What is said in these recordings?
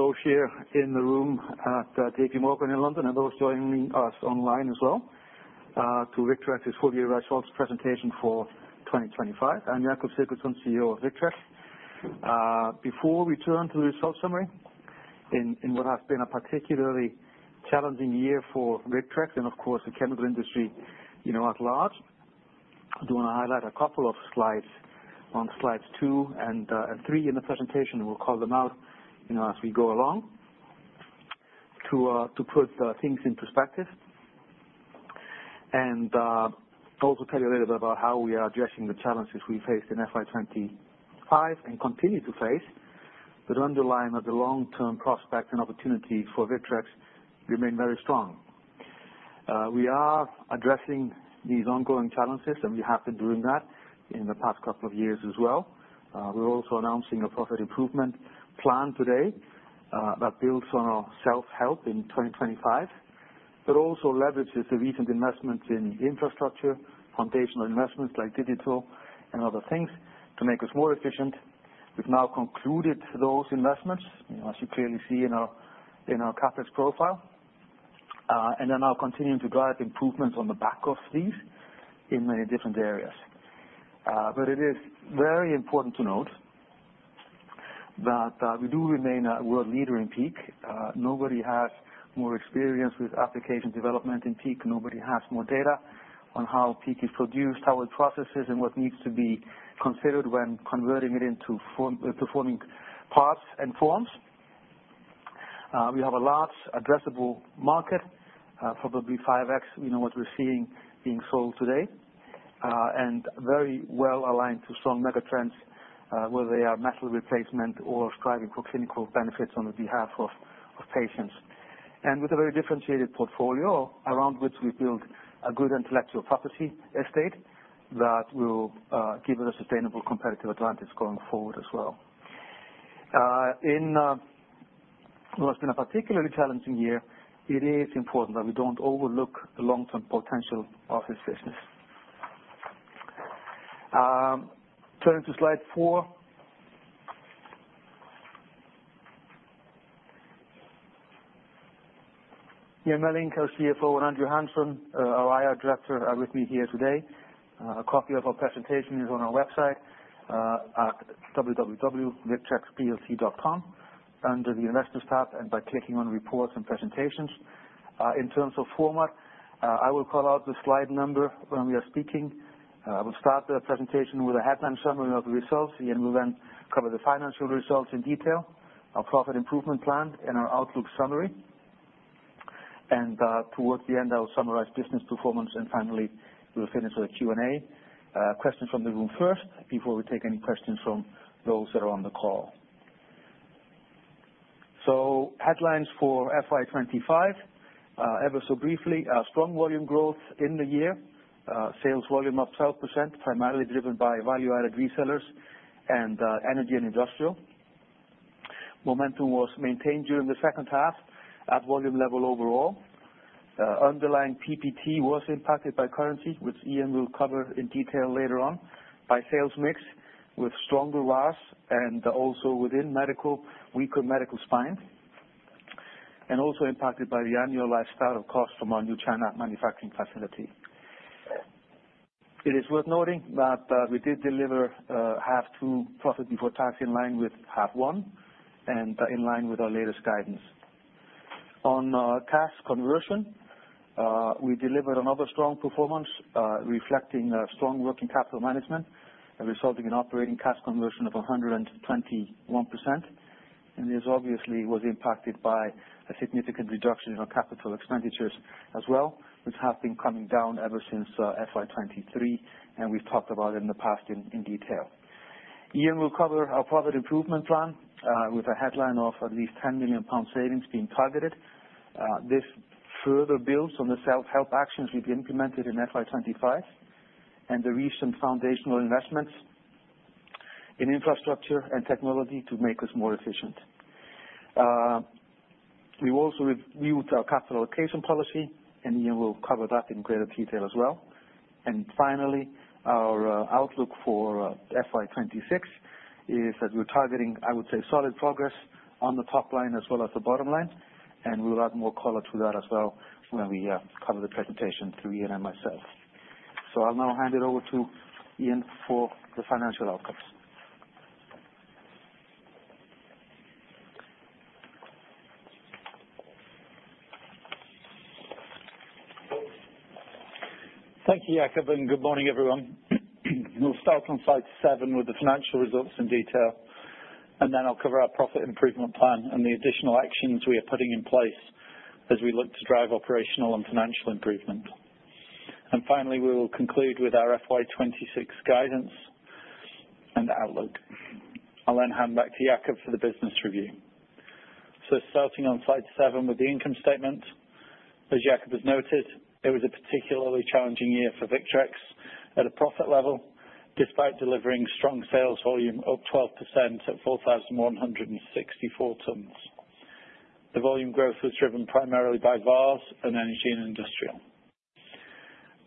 Those here in the room at JPMorgan in London, and those joining us online as well, to Victrex's full-year results presentation for 2025. I'm Jakob Sigurdsson, CEO of Victrex. Before we turn to the results summary in what has been a particularly challenging year for Victrex and, of course, the chemical industry, you know, at large, I do want to highlight a couple of slides on slides two and three in the presentation, and we'll call them out, you know, as we go along to put things in perspective. Also tell you a little bit about how we are addressing the challenges we faced in FY 2025 and continue to face, but underlying, the long-term prospects and opportunities for Victrex remain very strong. We are addressing these ongoing challenges, and we have been doing that in the past couple of years as well. We're also announcing a profit improvement plan today, that builds on our self-help in 2025, but also leverages the recent investments in infrastructure, foundational investments like digital and other things to make us more efficient. We've now concluded those investments, you know, as you clearly see in our CapEx profile. I will continue to drive improvements on the back of these in many different areas. It is very important to note that we do remain a world leader in PEEK. Nobody has more experience with application development in PEEK. Nobody has more data on how PEEK is produced, how it processes, and what needs to be considered when converting it into form, performing parts and forms. We have a large addressable market, probably 5X, you know, what we're seeing being sold today, and very well aligned to strong megatrends, whether they are metal replacement or striving for clinical benefits on the behalf of, of patients. With a very differentiated portfolio around which we build a good intellectual property estate that will give us a sustainable competitive advantage going forward as well. In what's been a particularly challenging year, it is important that we don't overlook the long-term potential of this business. Turning to slide four, Ian Melling, our CFO, and Andrew Hanson, our IR director, are with me here today. A copy of our presentation is on our website, at www.victrexplc.com under the investment tab and by clicking on reports and presentations. In terms of format, I will call out the slide number when we are speaking. We'll start the presentation with a headline summary of the results, and we'll then cover the financial results in detail, our profit improvement plan, and our outlook summary. Towards the end, I'll summarize business performance, and finally, we'll finish with a Q&A, questions from the room first before we take any questions from those that are on the call. Headlines for FY 2025, ever so briefly, strong volume growth in the year, sales volume up 12%, primarily driven by value-added resellers and energy and industrial. Momentum was maintained during the second half at volume level overall. Underlying PBT was impacted by currency, which Ian will cover in detail later on, by sales mix with stronger VAS and also within medical, weaker medical spine, and also impacted by the annual lifestyle of cost from our new China manufacturing facility. It is worth noting that we did deliver half two profit before tax in line with half one, in line with our latest guidance. On cash conversion, we delivered another strong performance, reflecting strong working capital management, resulting in operating cash conversion of 121%. This obviously was impacted by a significant reduction in our capital expenditures as well, which have been coming down ever since FY 2023, and we've talked about it in the past in detail. Ian will cover our profit improvement plan, with a headline of at least 10 million pound savings being targeted. This further builds on the self-help actions we've implemented in FY 2025 and the recent foundational investments in infrastructure and technology to make us more efficient. We've also reviewed our capital allocation policy, and Ian will cover that in greater detail as well. Finally, our outlook for FY 2026 is that we're targeting, I would say, solid progress on the top line as well as the bottom line, and we'll add more color to that as well when we cover the presentation through Ian and myself. I'll now hand it over to Ian for the financial outcomes. Thank you, Jakob, and good morning, everyone. We will start on slide seven with the financial results in detail, and then I will cover our profit improvement plan and the additional actions we are putting in place as we look to drive operational and financial improvement. Finally, we will conclude with our FY 2026 guidance and outlook. I will then hand back to Jakob for the business review. Starting on slide seven with the income statement, as Jakob has noted, it was a particularly challenging year for Victrex at a profit level despite delivering strong sales volume of 12% at 4,164 tonnes. The volume growth was driven primarily by VAS and energy and industrial.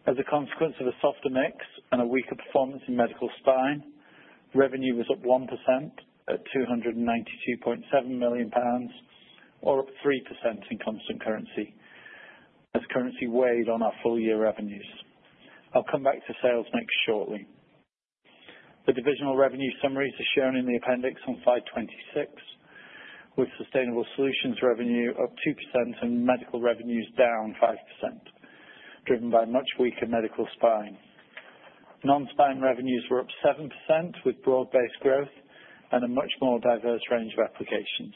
As a consequence of a softer mix and a weaker performance in medical spine, revenue was up 1% at 292.7 million pounds, or up 3% in constant currency, as currency weighed on our full-year revenues. I'll come back to sales mix shortly. The divisional revenue summaries are shown in the appendix on slide 26, with sustainable solutions revenue up 2% and medical revenues down 5%, driven by much weaker medical spine. Non-spine revenues were up 7% with broad-based growth and a much more diverse range of applications.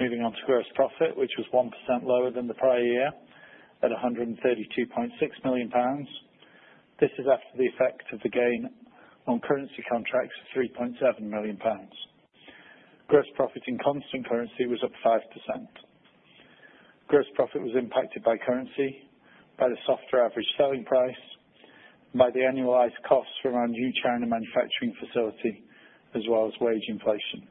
Moving on to gross profit, which was 1% lower than the prior year at 132.6 million pounds. This is after the effect of the gain on currency contracts of 3.7 million pounds. Gross profit in constant currency was up 5%. Gross profit was impacted by currency, by the software average selling price, by the annualized costs from our new China manufacturing facility, as well as wage inflation.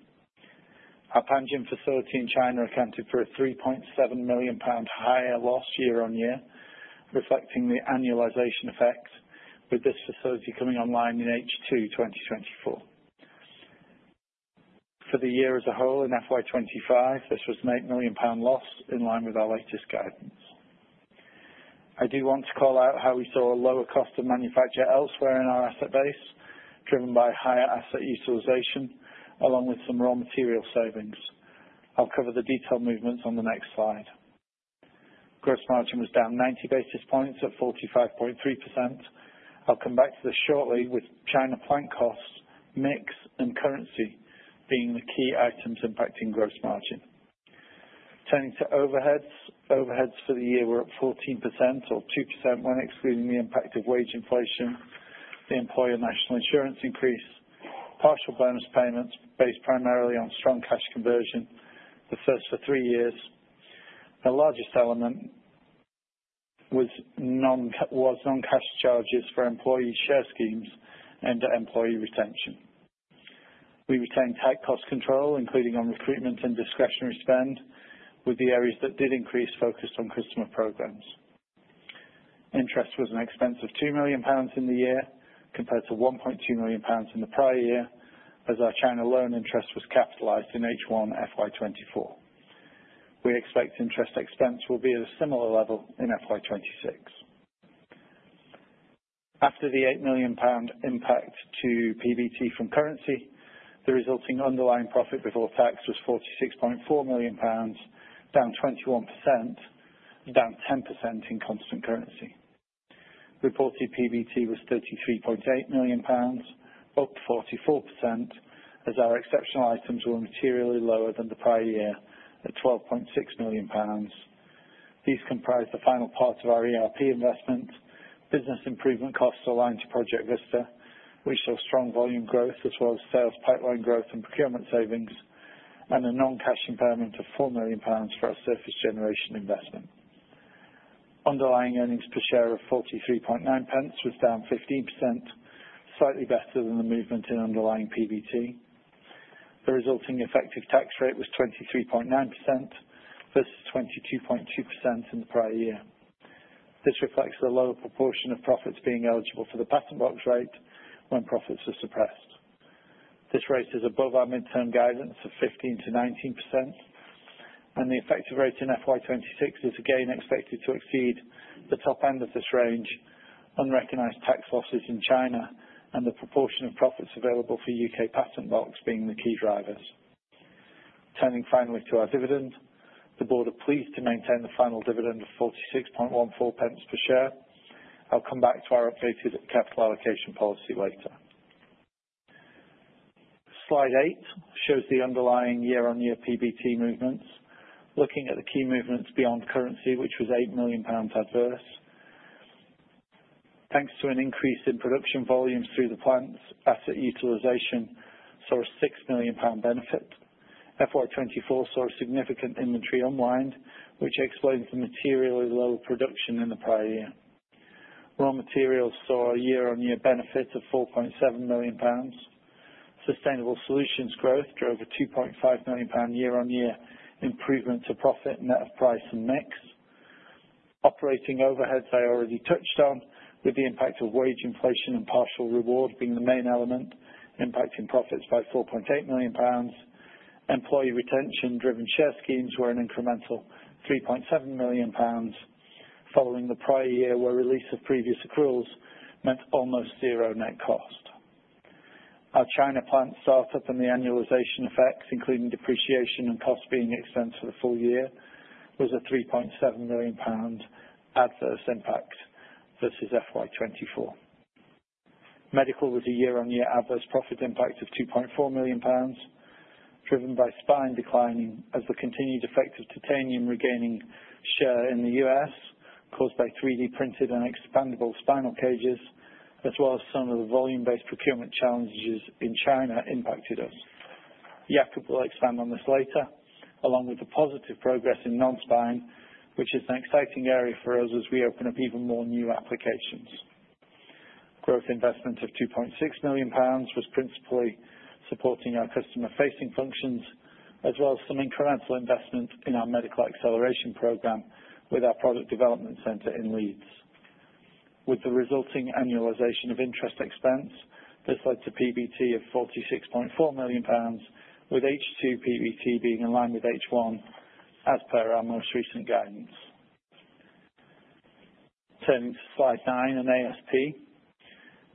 Our Panjin facility in China accounted for a 3.7 million pound higher loss year on year, reflecting the annualization effect, with this facility coming online in H2 2024. For the year as a whole in FY 2025, this was a 8 million pound loss in line with our latest guidance. I do want to call out how we saw a lower cost of manufacture elsewhere in our asset base, driven by higher asset utilization, along with some raw material savings. I'll cover the detailed movements on the next slide. Gross margin was down 90 basis points at 45.3%. I'll come back to this shortly, with China plant costs, mix, and currency being the key items impacting gross margin. Turning to overheads, overheads for the year were up 14%, or 2% when excluding the impact of wage inflation, the employer national insurance increase, partial bonus payments based primarily on strong cash conversion, the first for three years. The largest element was non-cash charges for employee share schemes and employee retention. We retained tight cost control, including on recruitment and discretionary spend, with the areas that did increase focused on customer programs. Interest was an expense of 2 million pounds in the year compared to 1.2 million pounds in the prior year, as our China loan interest was capitalized in H1 FY 2024. We expect interest expense will be at a similar level in FY 2026. After the 8 million pound impact to PBT from currency, the resulting underlying profit before tax was 46.4 million pounds, down 21%, down 10% in constant currency. Reported PBT was 33.8 million pounds, up 44%, as our exceptional items were materially lower than the prior year at 12.6 million pounds. These comprise the final part of our ERP investment, business improvement costs aligned to Project Vista, which saw strong volume growth as well as sales pipeline growth and procurement savings, and a non-cash impairment of 4 million pounds for our surface generation investment. Underlying earnings per share of 0.439 was down 15%, slightly better than the movement in underlying PBT. The resulting effective tax rate was 23.9% versus 22.2% in the prior year. This reflects the lower proportion of profits being eligible for the patent box rate when profits were suppressed. This rate is above our midterm guidance of 15-19%, and the effective rate in FY 2026 is again expected to exceed the top end of this range on recognized tax losses in China and the proportion of profits available for U.K. patent box being the key drivers. Turning finally to our dividend, the board applies to maintain the final dividend of 0.4614 per share. I'll come back to our updated capital allocation policy later. Slide eight shows the underlying year-on-year PBT movements, looking at the key movements beyond currency, which was 8 million pounds adverse. Thanks to an increase in production volumes through the plants, asset utilization saw a 6 million pound benefit. FY 2024 saw a significant inventory unwind, which explains the materially low production in the prior year. Raw materials saw a year-on-year benefit of 4.7 million pounds. Sustainable solutions growth drove a 2.5 million pound year-on-year improvement to profit net of price and mix. Operating overheads I already touched on, with the impact of wage inflation and partial reward being the main element, impacting profits by 4.8 million pounds. Employee retention-driven share schemes were an incremental 3.7 million pounds, following the prior year where release of previous accruals meant almost zero net cost. Our China plant startup and the annualization effects, including depreciation and cost being expensed for the full year, was a 3.7 million pound adverse impact versus FY 2024. Medical was a year-on-year adverse profit impact of 2.4 million pounds, driven by spine declining as the continued effect of titanium regaining share in the U.S. caused by 3D printed and expandable spinal cages, as well as some of the volume-based procurement challenges in China impacted us. Jakob will expand on this later, along with the positive progress in non-spine, which is an exciting area for us as we open up even more new applications. Growth investment of 2.6 million pounds was principally supporting our customer-facing functions, as well as some incremental investment in our medical acceleration program with our product development center in Leeds. With the resulting annualization of interest expense, this led to PBT of 46.4 million pounds, with H2 PBT being in line with H1 as per our most recent guidance. Turning to slide nine and ASP,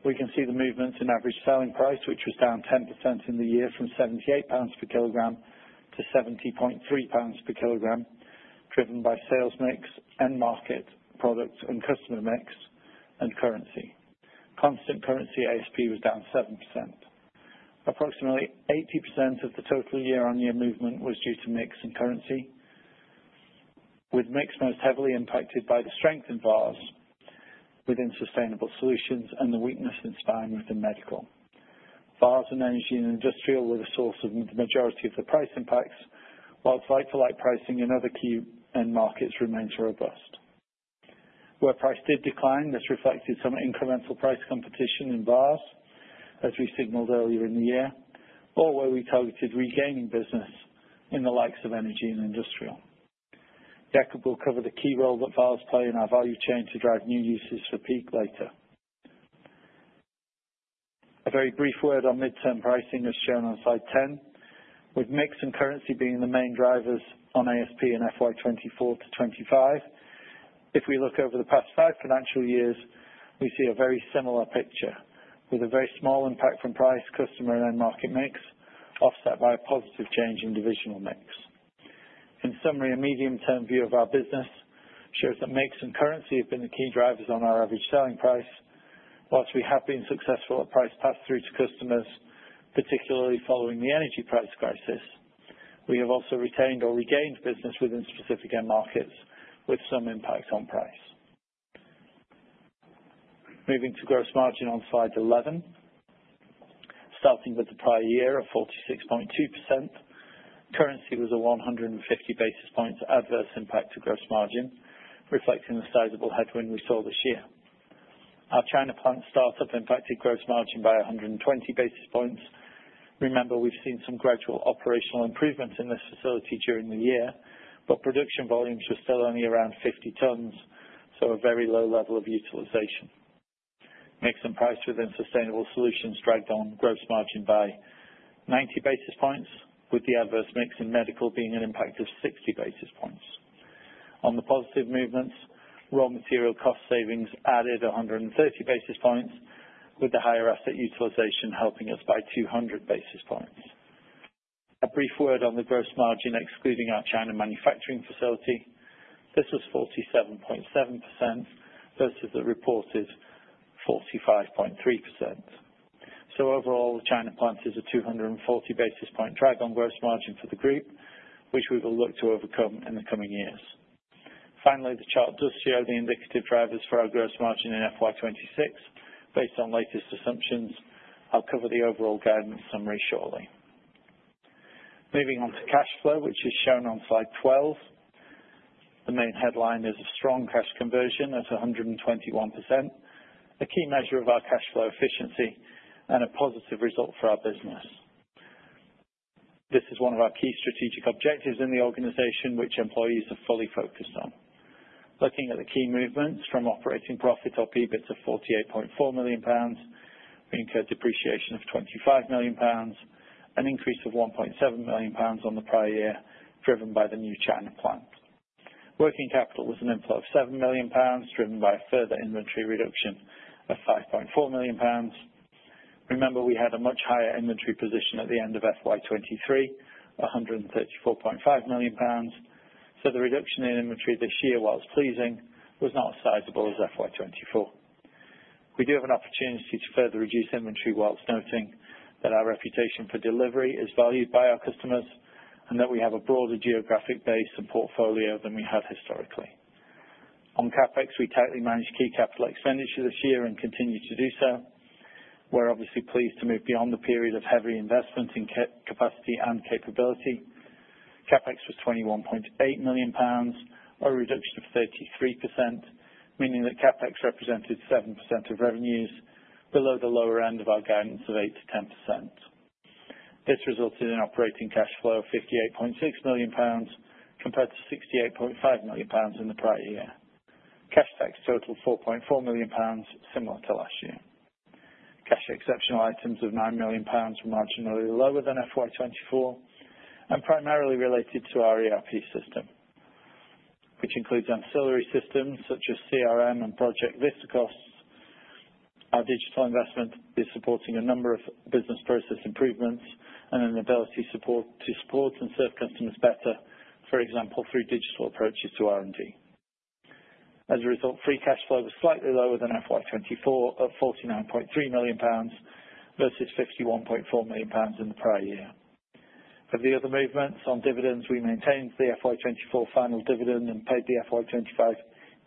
we can see the movement in average selling price, which was down 10% in the year from 78 pounds per kilogram to 70.3 pounds per kilogram, driven by sales mix and market, product and customer mix, and currency. Constant currency ASP was down 7%. Approximately 80% of the total year-on-year movement was due to mix and currency, with mix most heavily impacted by the strength in VAS within sustainable solutions and the weakness in spine within medical. VAS and energy and industrial were the source of the majority of the price impacts, while site-to-lite pricing and other key end markets remained robust. Where price did decline, this reflected some incremental price competition in VAS, as we signaled earlier in the year, or where we targeted regaining business in the likes of energy and industrial. Jakob will cover the key role that VAS play in our value chain to drive new uses for PEEK later. A very brief word on midterm pricing is shown on slide 10, with mix and currency being the main drivers on ASP in FY 2024 to 2025. If we look over the past five financial years, we see a very similar picture, with a very small impact from price, customer, and end market mix, offset by a positive change in divisional mix. In summary, a medium-term view of our business shows that mix and currency have been the key drivers on our average selling price, whilst we have been successful at price pass-through to customers, particularly following the energy price crisis. We have also retained or regained business within specific end markets, with some impact on price. Moving to gross margin on slide 11, starting with the prior year of 46.2%, currency was a 150 basis points adverse impact to gross margin, reflecting the sizable headwind we saw this year. Our China plant startup impacted gross margin by 120 basis points. Remember, we've seen some gradual operational improvements in this facility during the year, but production volumes were still only around 50 tonnes, so a very low level of utilization. Mix and price within sustainable solutions dragged on gross margin by 90 basis points, with the adverse mix in medical being an impact of 60 basis points. On the positive movements, raw material cost savings added 130 basis points, with the higher asset utilization helping us by 200 basis points. A brief word on the gross margin excluding our China manufacturing facility. This was 47.7% versus the reported 45.3%. Overall, the China plant is a 240 basis point drag on gross margin for the group, which we will look to overcome in the coming years. Finally, the chart does show the indicative drivers for our gross margin in FY 2026 based on latest assumptions. I will cover the overall guidance summary shortly. Moving on to cash flow, which is shown on slide 12. The main headline is a strong cash conversion at 121%, a key measure of our cash flow efficiency and a positive result for our business. This is one of our key strategic objectives in the organization, which employees are fully focused on. Looking at the key movements from operating profit or PBIT of 48.4 million pounds, we incurred depreciation of 25 million pounds, an increase of 1.7 million pounds on the prior year, driven by the new China plant. Working capital was an inflow of 7 million pounds, driven by a further inventory reduction of 5.4 million pounds. Remember, we had a much higher inventory position at the end of FY 2023, 134.5 million pounds. The reduction in inventory this year, whilst pleasing, was not as sizable as FY 2024. We do have an opportunity to further reduce inventory, whilst noting that our reputation for delivery is valued by our customers and that we have a broader geographic base and portfolio than we had historically. On CapEx, we tightly managed key capital expenditure this year and continue to do so. We're obviously pleased to move beyond the period of heavy investment in capacity and capability. CapEx was 21.8 million pounds, a reduction of 33%, meaning that CapEx represented 7% of revenues, below the lower end of our guidance of 8-10%. This resulted in operating cash flow of 58.6 million pounds compared to 68.5 million pounds in the prior year. Cash tax totaled 4.4 million pounds, similar to last year. Cash exceptional items of 9 million pounds were marginally lower than FY 2024 and primarily related to our ERP system, which includes ancillary systems such as CRM and Project Vista costs. Our digital investment is supporting a number of business process improvements and an ability to support and serve customers better, for example, through digital approaches to R&D. As a result, free cash flow was slightly lower than FY 2024 at 49.3 million pounds versus 51.4 million pounds in the prior year. Of the other movements on dividends, we maintained the FY 2024 final dividend and paid the FY 2025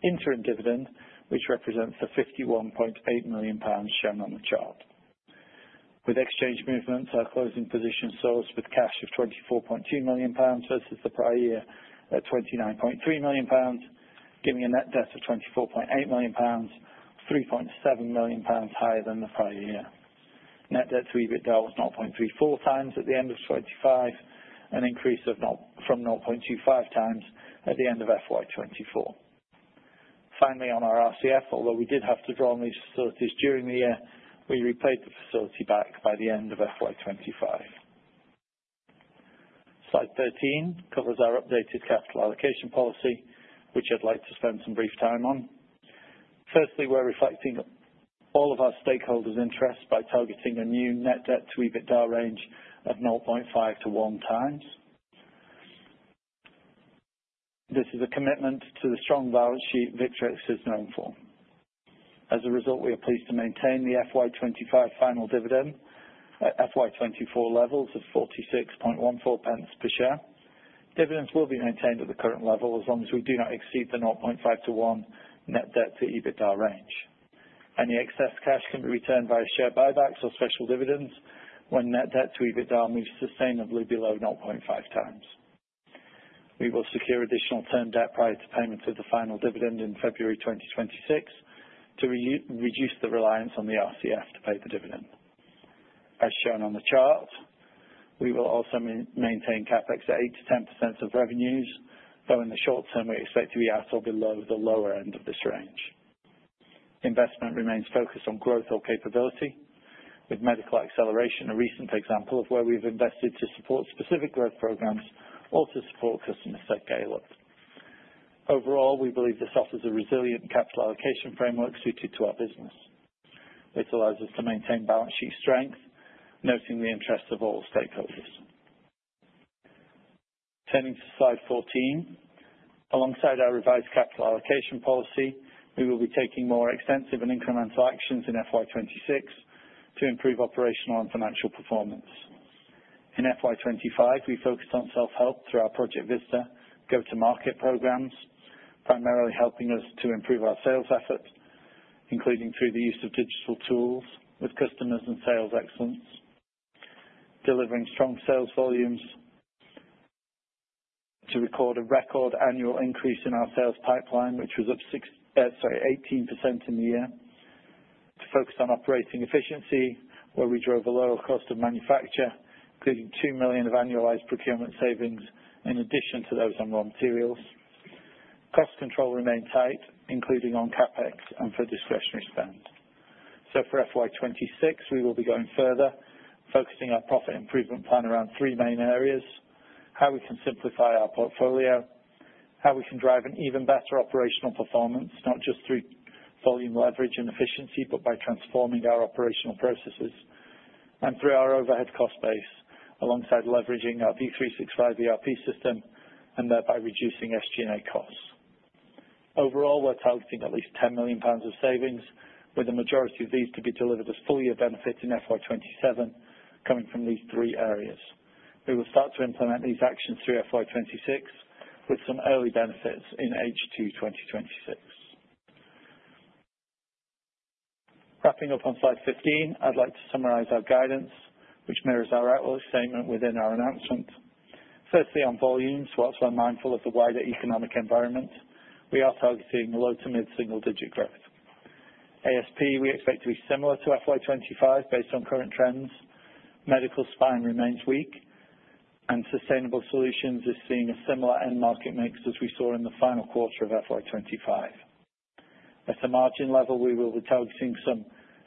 interim dividend, which represents the 51.8 million pounds shown on the chart. With exchange movements, our closing position saw us with cash of 24.2 million pounds versus the prior year at 29.3 million pounds, giving a net debt of 24.8 million pounds, 3.7 million pounds higher than the prior year. Net debt to EBITDA was 0.34 times at the end of 2025 and increased from 0.25 times at the end of FY 2024. Finally, on our RCF, although we did have to draw on these facilities during the year, we repaid the facility back by the end of FY 2025. Slide 13 covers our updated capital allocation policy, which I'd like to spend some brief time on. Firstly, we're reflecting all of our stakeholders' interests by targeting a new net debt to EBITDA range of 0.5-1 times. This is a commitment to the strong balance sheet Victrex is known for. As a result, we are pleased to maintain the FY 2025 final dividend at FY 2024 levels of 46.14 per share. Dividends will be maintained at the current level as long as we do not exceed the 0.5-1 net debt to EBITDA range. Any excess cash can be returned via share buybacks or special dividends when net debt to EBITDA moves sustainably below 0.5 times. We will secure additional term debt prior to payment of the final dividend in February 2026 to reduce the reliance on the RCF to pay the dividend. As shown on the chart, we will also maintain CapEx at 8-10% of revenues, though in the short term we expect to be at or below the lower end of this range. Investment remains focused on growth or capability, with medical acceleration a recent example of where we've invested to support specific growth programs or to support customer-set scale-ups. Overall, we believe this offers a resilient capital allocation framework suited to our business. This allows us to maintain balance sheet strength, noting the interests of all stakeholders. Turning to slide 14, alongside our revised capital allocation policy, we will be taking more extensive and incremental actions in FY 2026 to improve operational and financial performance. In FY 2025, we focused on self-help through our Project Vista go-to-market programs, primarily helping us to improve our sales efforts, including through the use of digital tools with customers and sales excellence, delivering strong sales volumes to record a record annual increase in our sales pipeline, which was 18% in the year. To focus on operating efficiency, where we drove a lower cost of manufacture, including 2 million of annualized procurement savings in addition to those on raw materials. Cost control remained tight, including on CapEx and for discretionary spend. For FY 2026, we will be going further, focusing our profit improvement plan around three main areas: how we can simplify our portfolio, how we can drive an even better operational performance, not just through volume leverage and efficiency, but by transforming our operational processes and through our overhead cost base, alongside leveraging our V365 ERP system and thereby reducing SG&A costs. Overall, we're targeting at least 10 million pounds of savings, with the majority of these to be delivered as full-year benefits in FY 2027, coming from these three areas. We will start to implement these actions through FY 2026, with some early benefits in H2 2026. Wrapping up on slide 15, I'd like to summarize our guidance, which mirrors our outlook statement within our announcement. Firstly, on volumes, whilst we're mindful of the wider economic environment, we are targeting low to mid single-digit growth. ASP, we expect to be similar to FY 2025 based on current trends. Medical spine remains weak, and sustainable solutions are seeing a similar end market mix as we saw in the final quarter of FY 2025. At a margin level, we will be targeting some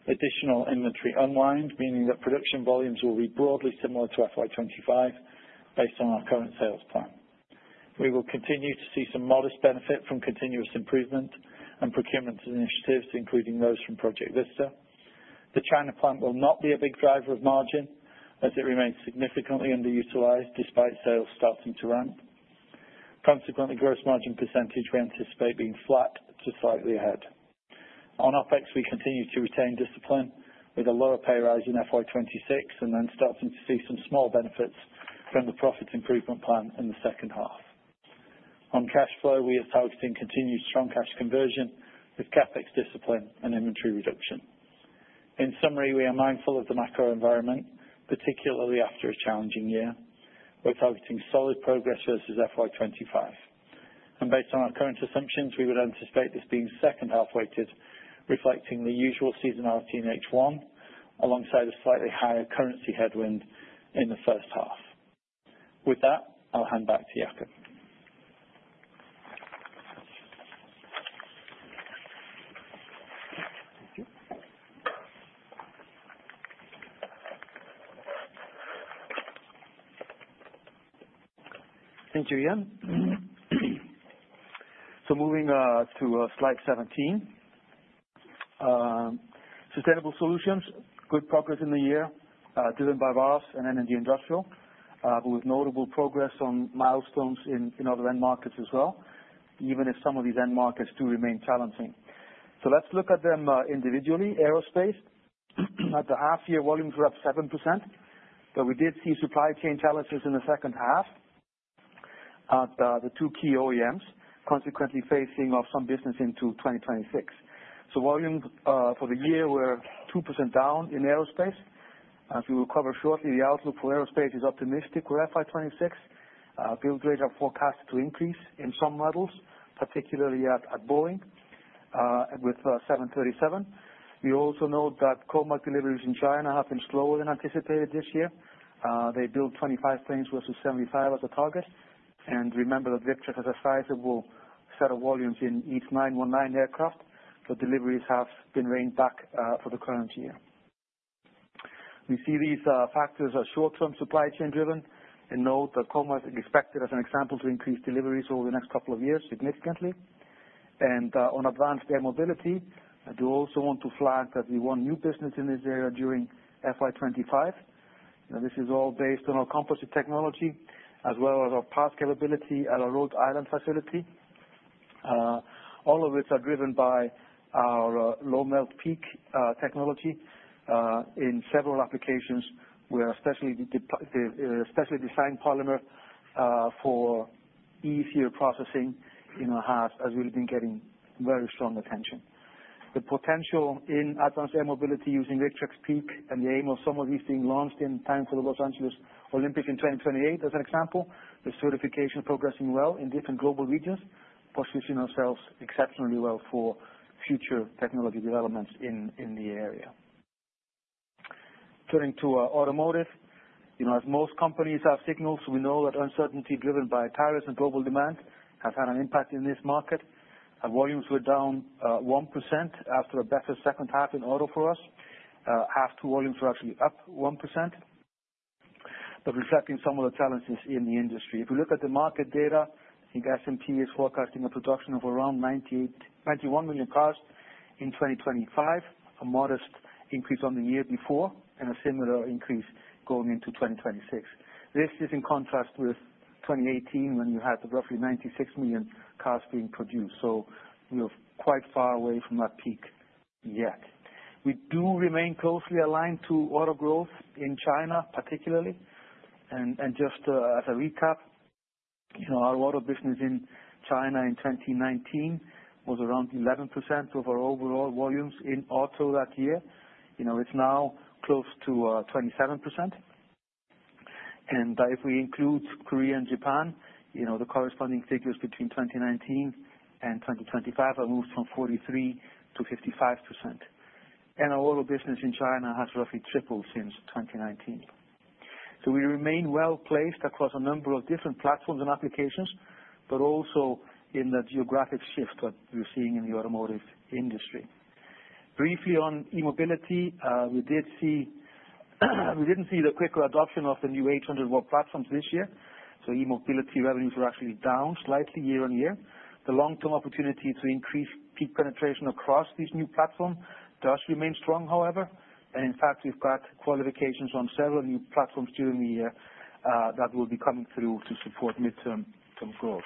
additional inventory unwind, meaning that production volumes will be broadly similar to FY 2025 based on our current sales plan. We will continue to see some modest benefit from continuous improvement and procurement initiatives, including those from Project Vista. The China plant will not be a big driver of margin as it remains significantly underutilized despite sales starting to ramp. Consequently, gross margin percentage we anticipate being flat to slightly ahead. On OpEx, we continue to retain discipline with a lower pay rise in FY 2026 and then starting to see some small benefits from the profit improvement plan in the second half. On cash flow, we are targeting continued strong cash conversion with CapEx discipline and inventory reduction. In summary, we are mindful of the macro environment, particularly after a challenging year. We are targeting solid progress versus FY 2025. Based on our current assumptions, we would anticipate this being second half weighted, reflecting the usual seasonality in H1, alongside a slightly higher currency headwind in the first half. With that, I'll hand back to Jakob. Thank you, Ian. Moving to slide 17. Sustainable solutions, good progress in the year, driven by VAS and energy industrial, with notable progress on milestones in other end markets as well, even if some of these end markets do remain challenging. Let's look at them individually. Aerospace, at the half-year volumes were up 7%, but we did see supply chain challenges in the second half at the two key OEMs, consequently phasing off some business into 2026. Volumes for the year were 2% down in aerospace. As we will cover shortly, the outlook for aerospace is optimistic for FY 2026. Build rates are forecast to increase in some models, particularly at Boeing, with 737. We also note that COMAC deliveries in China have been slower than anticipated this year. They built 25 planes versus 75 as a target. Remember that Victrex has a sizable set of volumes in each 919 aircraft, but deliveries have been reined back for the current year. We see these factors as short-term supply chain driven and note that COMAC is expected as an example to increase deliveries over the next couple of years significantly. On advanced air mobility, I do also want to flag that we want new business in this area during FY 2025. This is all based on our composite technology as well as our past capability at our Rhode Island facility, all of which are driven by our low-melt PEEK technology in several applications where especially designed polymer for easier processing in our house, as we have been getting very strong attention. The potential in advanced air mobility using Victrex PEEK and the aim of some of these being launched in time for the Los Angeles Olympics in 2028, as an example, the certification progressing well in different global regions, positioning ourselves exceptionally well for future technology developments in the area. Turning to automotive, as most companies have signaled, we know that uncertainty driven by tariffs and global demand has had an impact in this market. Volumes were down 1% after a better second half in auto for us. Half two volumes were actually up 1%, but reflecting some of the challenges in the industry. If we look at the market data, I think S&P is forecasting a production of around 91 million cars in 2025, a modest increase on the year before and a similar increase going into 2026. This is in contrast with 2018 when you had roughly 96 million cars being produced. We are quite far away from that peak yet. We do remain closely aligned to auto growth in China, particularly. Just as a recap, our auto business in China in 2019 was around 11% of our overall volumes in auto that year. It is now close to 27%. If we include Korea and Japan, the corresponding figures between 2019 and 2025 have moved from 43% to 55%. Our auto business in China has roughly tripled since 2019. We remain well placed across a number of different platforms and applications, but also in the geographic shift that we are seeing in the automotive industry. Briefly on e-mobility, we did see the quicker adoption of the new 800-volt platforms this year. E-mobility revenues were actually down slightly year on year. The long-term opportunity to increase PEEK penetration across these new platforms does remain strong, however. In fact, we have got qualifications on several new platforms during the year that will be coming through to support midterm growth.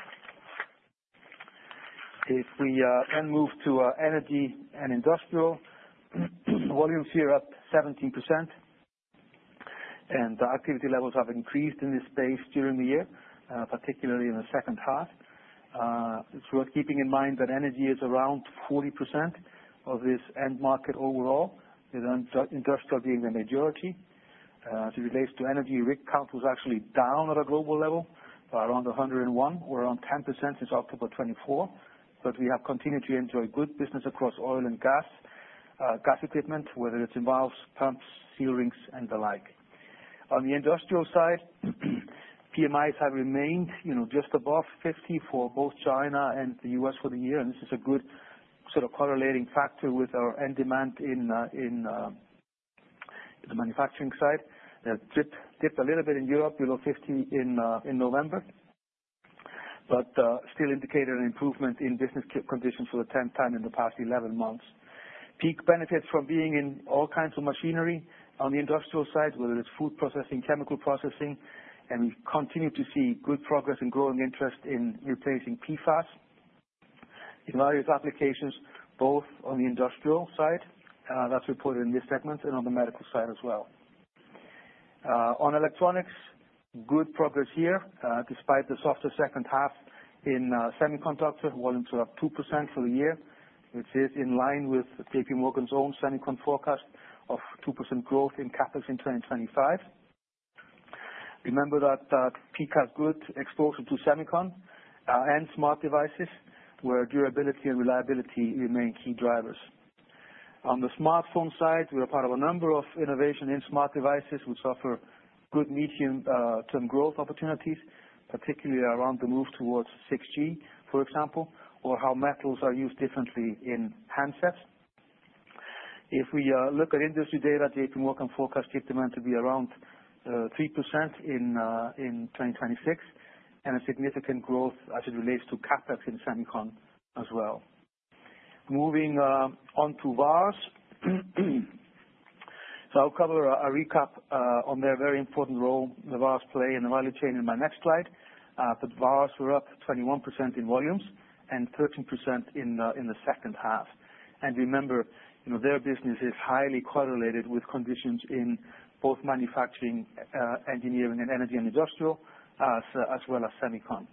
If we then move to energy and industrial, volumes here are up 17%. Activity levels have increased in this space during the year, particularly in the second half. Keeping in mind that energy is around 40% of this end market overall, with industrial being the majority. As it relates to energy, RIC count was actually down at a global level by around 101 or around 10% since October 2024. We have continued to enjoy good business across oil and gas, gas equipment, whether it involves pumps, seal rings, and the like. On the industrial side, PMIs have remained just above 50 for both China and the U.S. for the year. This is a good sort of correlating factor with our end demand in the manufacturing side. It dipped a little bit in Europe, below 50 in November, but still indicated an improvement in business conditions for the 10th time in the past 11 months. PEEK benefits from being in all kinds of machinery on the industrial side, whether it's food processing, chemical processing. We continue to see good progress and growing interest in replacing PFAS in various applications, both on the industrial side that is reported in this segment and on the medical side as well. On electronics, good progress here despite the softer second half in semiconductor volumes, which were up 2% for the year, which is in line with JPMorgan's own Semicon forecast of 2% growth in CapEx in 2025. Remember that PEEK has good exposure to Semicon and smart devices where durability and reliability remain key drivers. On the smartphone side, we are part of a number of innovations in smart devices, which offer good medium-term growth opportunities, particularly around the move towards 6G, for example, or how metals are used differently in handsets. If we look at industry data, JPMorgan forecasts peak demand to be around 3% in 2026 and a significant growth as it relates to CapEx in Semicon as well. Moving on to VAS, I'll cover a recap on their very important role, the VAS play and the value chain in my next slide. VAS were up 21% in volumes and 13% in the second half. Remember, their business is highly correlated with conditions in both manufacturing, engineering, and energy and industrial, as well as Semicon.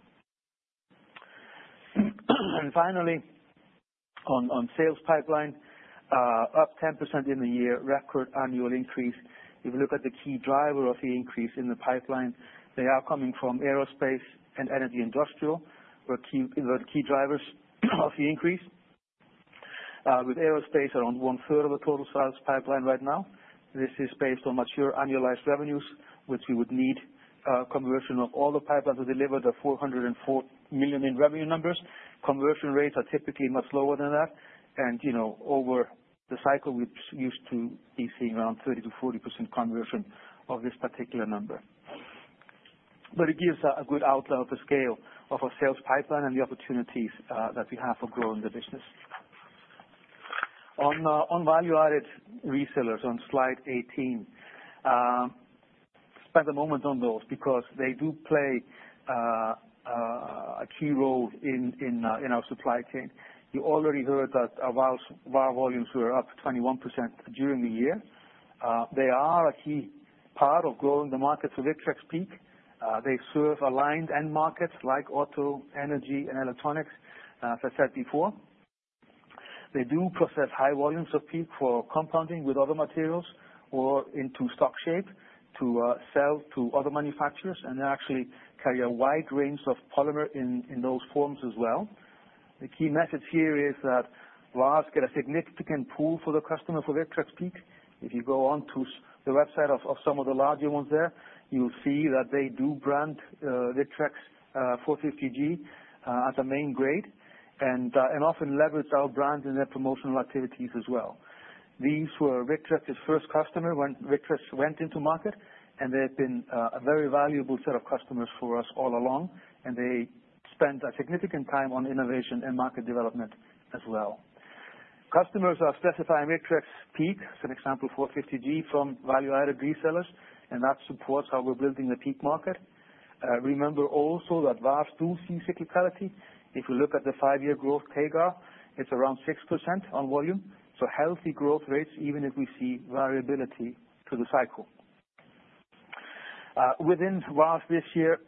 Finally, on sales pipeline, up 10% in the year, record annual increase. If we look at the key driver of the increase in the pipeline, they are coming from aerospace and energy industrial, where key drivers of the increase. With aerospace, around one-third of the total sales pipeline right now. This is based on mature annualized revenues, which we would need conversion of all the pipelines to deliver the 404 million in revenue numbers. Conversion rates are typically much lower than that. Over the cycle, we are used to seeing around 30-40% conversion of this particular number. It gives a good outlook of the scale of our sales pipeline and the opportunities that we have for growing the business. On value-added resellers on slide 18, spend a moment on those because they do play a key role in our supply chain. You already heard that our VAS volumes were up 21% during the year. They are a key part of growing the market for Victrex PEEK. They serve aligned end markets like auto, energy, and electronics, as I said before. They do process high volumes of PEEK for compounding with other materials or into stock shape to sell to other manufacturers. They actually carry a wide range of polymer in those forms as well. The key message here is that VAS get a significant pull for the customer for Victrex PEEK. If you go on to the website of some of the larger ones there, you'll see that they do brand Victrex 450G as a main grade and often leverage our brand in their promotional activities as well. These were Victrex's first customer when Victrex went into market, and they've been a very valuable set of customers for us all along. They spend a significant time on innovation and market development as well. Customers are specifying Victrex PEEK, for example, 450G from value-added resellers, and that supports how we're building the PEEK market. Remember also that VAS does see cyclicality. If we look at the five-year growth CAGR, it's around 6% on volume. So healthy growth rates, even if we see variability through the cycle. Within VAS this year,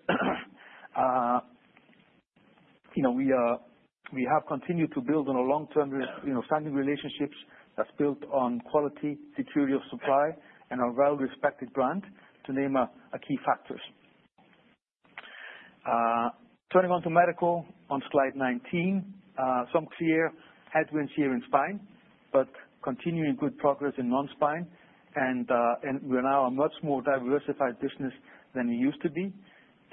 we have continued to build on our long-term standing relationships that's built on quality, security of supply, and our well-respected brand, to name a few key factors. Turning on to medical on slide 19, some clear headwinds here in spine, but continuing good progress in non-spine. We are now a much more diversified business than we used to be.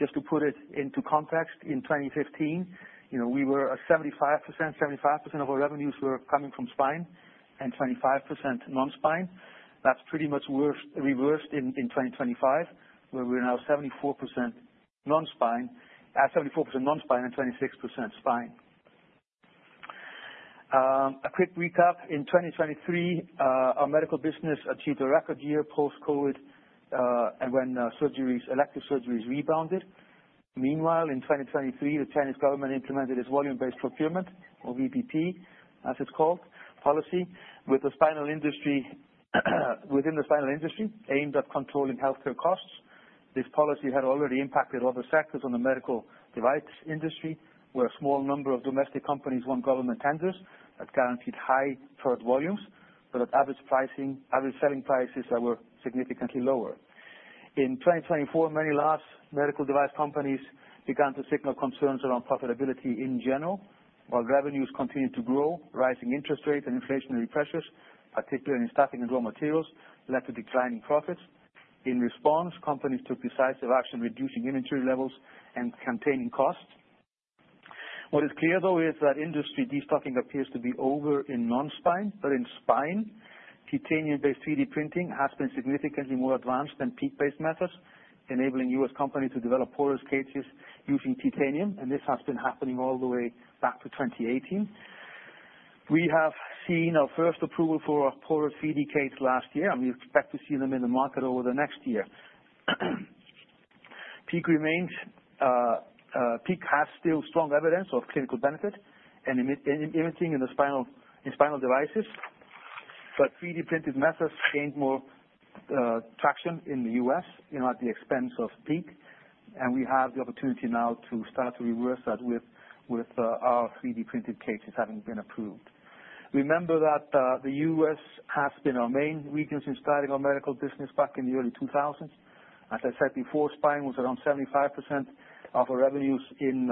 Just to put it into context, in 2015, we were at 75%. 75% of our revenues were coming from spine and 25% non-spine. That's pretty much reversed in 2025, where we are now 74% non-spine and 26% spine. A quick recap. In 2023, our medical business achieved a record year post-COVID when elective surgeries rebounded. Meanwhile, in 2023, the Chinese government implemented its volume-based procurement, or VPP, as it's called, policy within the spinal industry aimed at controlling healthcare costs. This policy had already impacted other sectors of the medical device industry, where a small number of domestic companies won government tenders that guaranteed high third volumes, but at average selling prices that were significantly lower. In 2024, many large medical device companies began to signal concerns around profitability in general. While revenues continued to grow, rising interest rates and inflationary pressures, particularly in staffing and raw materials, led to declining profits. In response, companies took decisive action, reducing inventory levels and containing costs. What is clear, though, is that industry destocking appears to be over in non-spine, but in spine, titanium-based 3D printing has been significantly more advanced than PEEK-based methods, enabling U.S. companies to develop porous cases using titanium. This has been happening all the way back to 2018. We have seen our first approval for porous 3D case last year, and we expect to see them in the market over the next year. PEEK has still strong evidence of clinical benefit and imaging in spinal devices, but 3D printed methods gained more traction in the U.S. at the expense of PEEK. We have the opportunity now to start to reverse that with our 3D printed cases having been approved. Remember that the U.S. has been our main region in starting our medical business back in the early 2000s. As I said before, spine was around 75% of our revenues in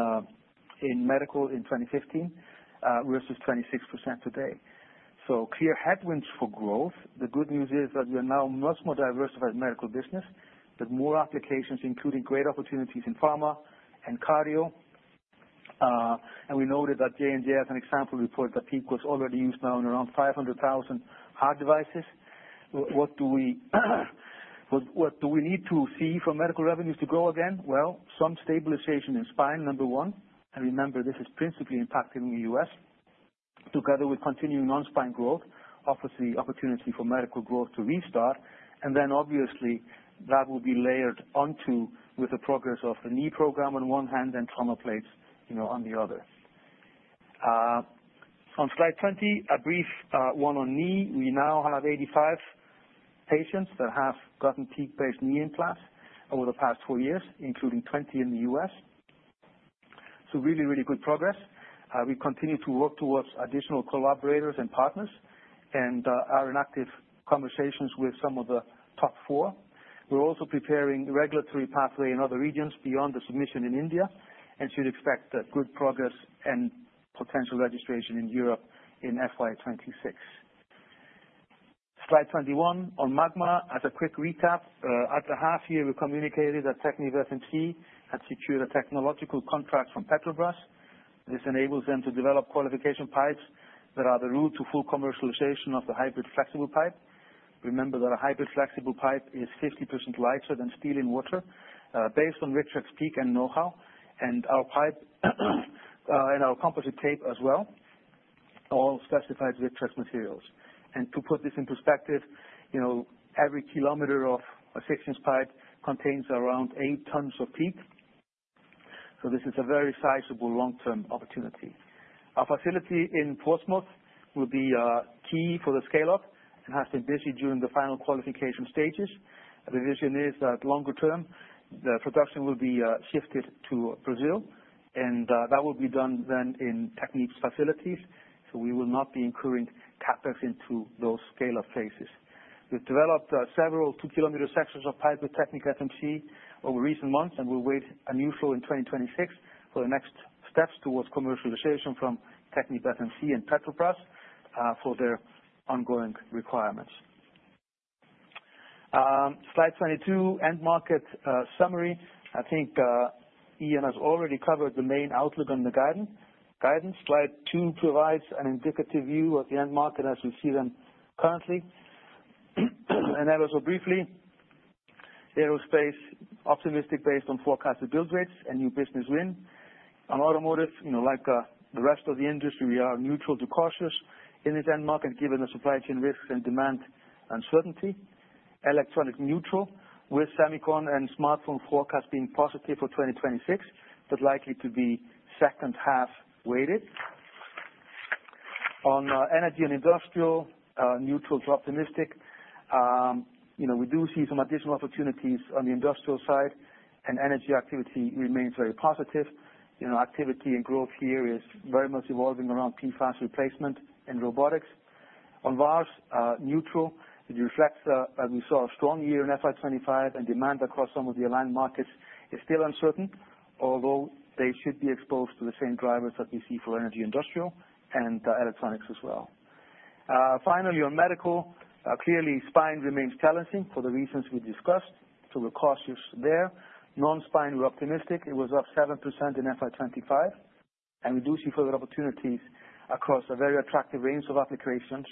medical in 2015 versus 26% today. Clear headwinds for growth. The good news is that we are now a much more diversified medical business, with more applications, including great opportunities in pharma and cardio. We noted that J&J, as an example, reported that PEEK was already used now in around 500,000 heart devices. What do we need to see for medical revenues to grow again? Some stabilization in spine, number one. Remember, this is principally impacting the U.S. Together with continuing non-spine growth, obviously, opportunity for medical growth to restart. That will be layered onto with the progress of the knee program on one hand and trauma plates on the other. On slide 20, a brief one on knee. We now have 85 patients that have gotten PEEK-based knee implants over the past four years, including 20 in the U.S. Really, really good progress. We continue to work towards additional collaborators and partners and are in active conversations with some of the top four. We are also preparing regulatory pathway in other regions beyond the submission in India. You should expect good progress and potential registration in Europe in FY 2026. Slide 21 on Magma. As a quick recap, at the half year, we communicated that TechniVert and SEE had secured a technological contract from Petrobras. This enables them to develop qualification pipes that are the route to full commercialization of the hybrid flexible pipe. Remember that a hybrid flexible pipe is 50% lighter than steel in water, based on Victrex PEEK and know-how, and our pipe and our composite tape as well, all specified Victrex materials. To put this in perspective, every kilometer of a 6-inch pipe contains around 8 tons of PEEK. This is a very sizable long-term opportunity. Our facility in Portsmouth will be key for the scale-up and has been busy during the final qualification stages. The vision is that longer term, the production will be shifted to Brazil. That will be done then in TechniVert's facilities. We will not be incurring CapEx into those scale-up phases. We have developed several 2-kilometer sections of pipe with TechniVert FMC over recent months, and we will wait a new flow in 2026 for the next steps towards commercialization from TechniVert FMC and Petrobras for their ongoing requirements. Slide 22, end market summary. I think Ian has already covered the main outlook on the guidance. Slide 2 provides an indicative view of the end market as we see them currently. An analysis briefly. Aerospace, optimistic based on forecasted build rates and new business win. On automotive, like the rest of the industry, we are neutral to cautious in this end market given the supply chain risks and demand uncertainty. Electronic neutral with Semicon and smartphone forecast being positive for 2026, but likely to be second half weighted. On energy and industrial, neutral to optimistic. We do see some additional opportunities on the industrial side, and energy activity remains very positive. Activity and growth here is very much evolving around PFAS replacement and robotics. On VAS, neutral. It reflects that we saw a strong year in FY 2025, and demand across some of the aligned markets is still uncertain, although they should be exposed to the same drivers that we see for energy industrial and electronics as well. Finally, on medical, clearly spine remains challenging for the reasons we discussed, so we're cautious there. Non-spine, we're optimistic. It was up 7% in FY 2025. We do see further opportunities across a very attractive range of applications.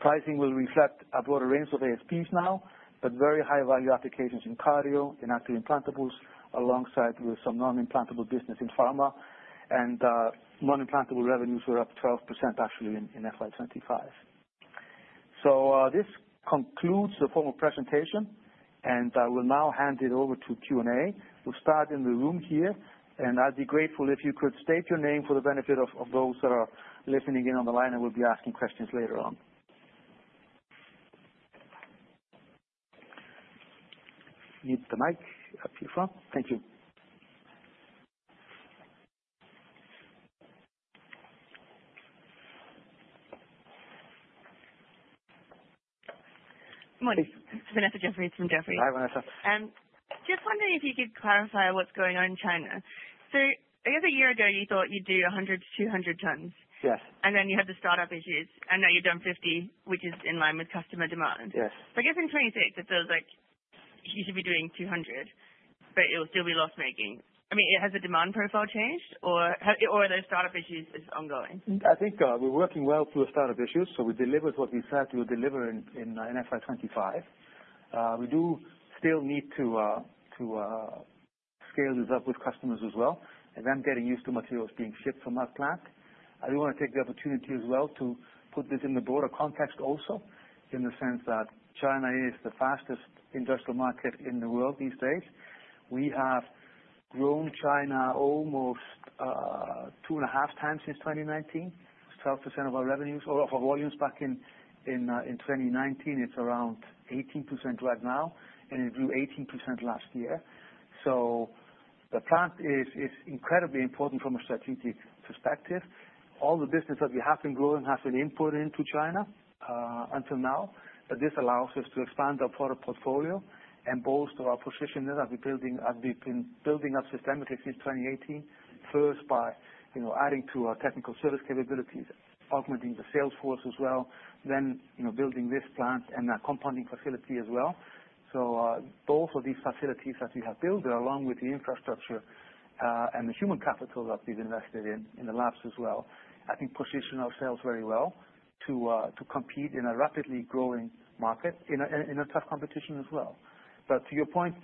Pricing will reflect a broader range of ASPs now, but very high-value applications in cardio and active implantables, alongside with some non-implantable business in pharma. Non-implantable revenues were up 12% actually in FY 2025. This concludes the formal presentation, and I will now hand it over to Q&A. We'll start in the room here, and I'd be grateful if you could state your name for the benefit of those that are listening in on the line and will be asking questions later on. Need the mic up your front. Thank you. Good morning. Vanessa Jeffriess from Jefferies. Hi, Vanessa. Just wondering if you could clarify what's going on in China. I guess a year ago, you thought you'd do 100-200 tons. Yes. Then you had the start-up issues. Now you've done 50, which is in line with customer demand. Yes. I guess in 2026, it feels like you should be doing 200, but it will still be loss-making. I mean, has the demand profile changed, or are those start-up issues ongoing? I think we're working well through start-up issues, so we delivered what we said we would deliver in FY 2025. We do still need to scale these up with customers as well. Getting used to materials being shipped from our plant. I do want to take the opportunity as well to put this in the broader context also, in the sense that China is the fastest industrial market in the world these days. We have grown China almost two and a half times since 2019. It's 12% of our revenues or of our volumes back in 2019. It's around 18% right now, and it grew 18% last year. The plant is incredibly important from a strategic perspective. All the business that we have been growing has been imported into China until now. This allows us to expand our product portfolio and bolster our position that we've been building up systemically since 2018, first by adding to our technical service capabilities, augmenting the sales force as well, building this plant and our compounding facility as well. Both of these facilities that we have built, along with the infrastructure and the human capital that we've invested in the labs as well, I think position ourselves very well to compete in a rapidly growing market in a tough competition as well. To your point,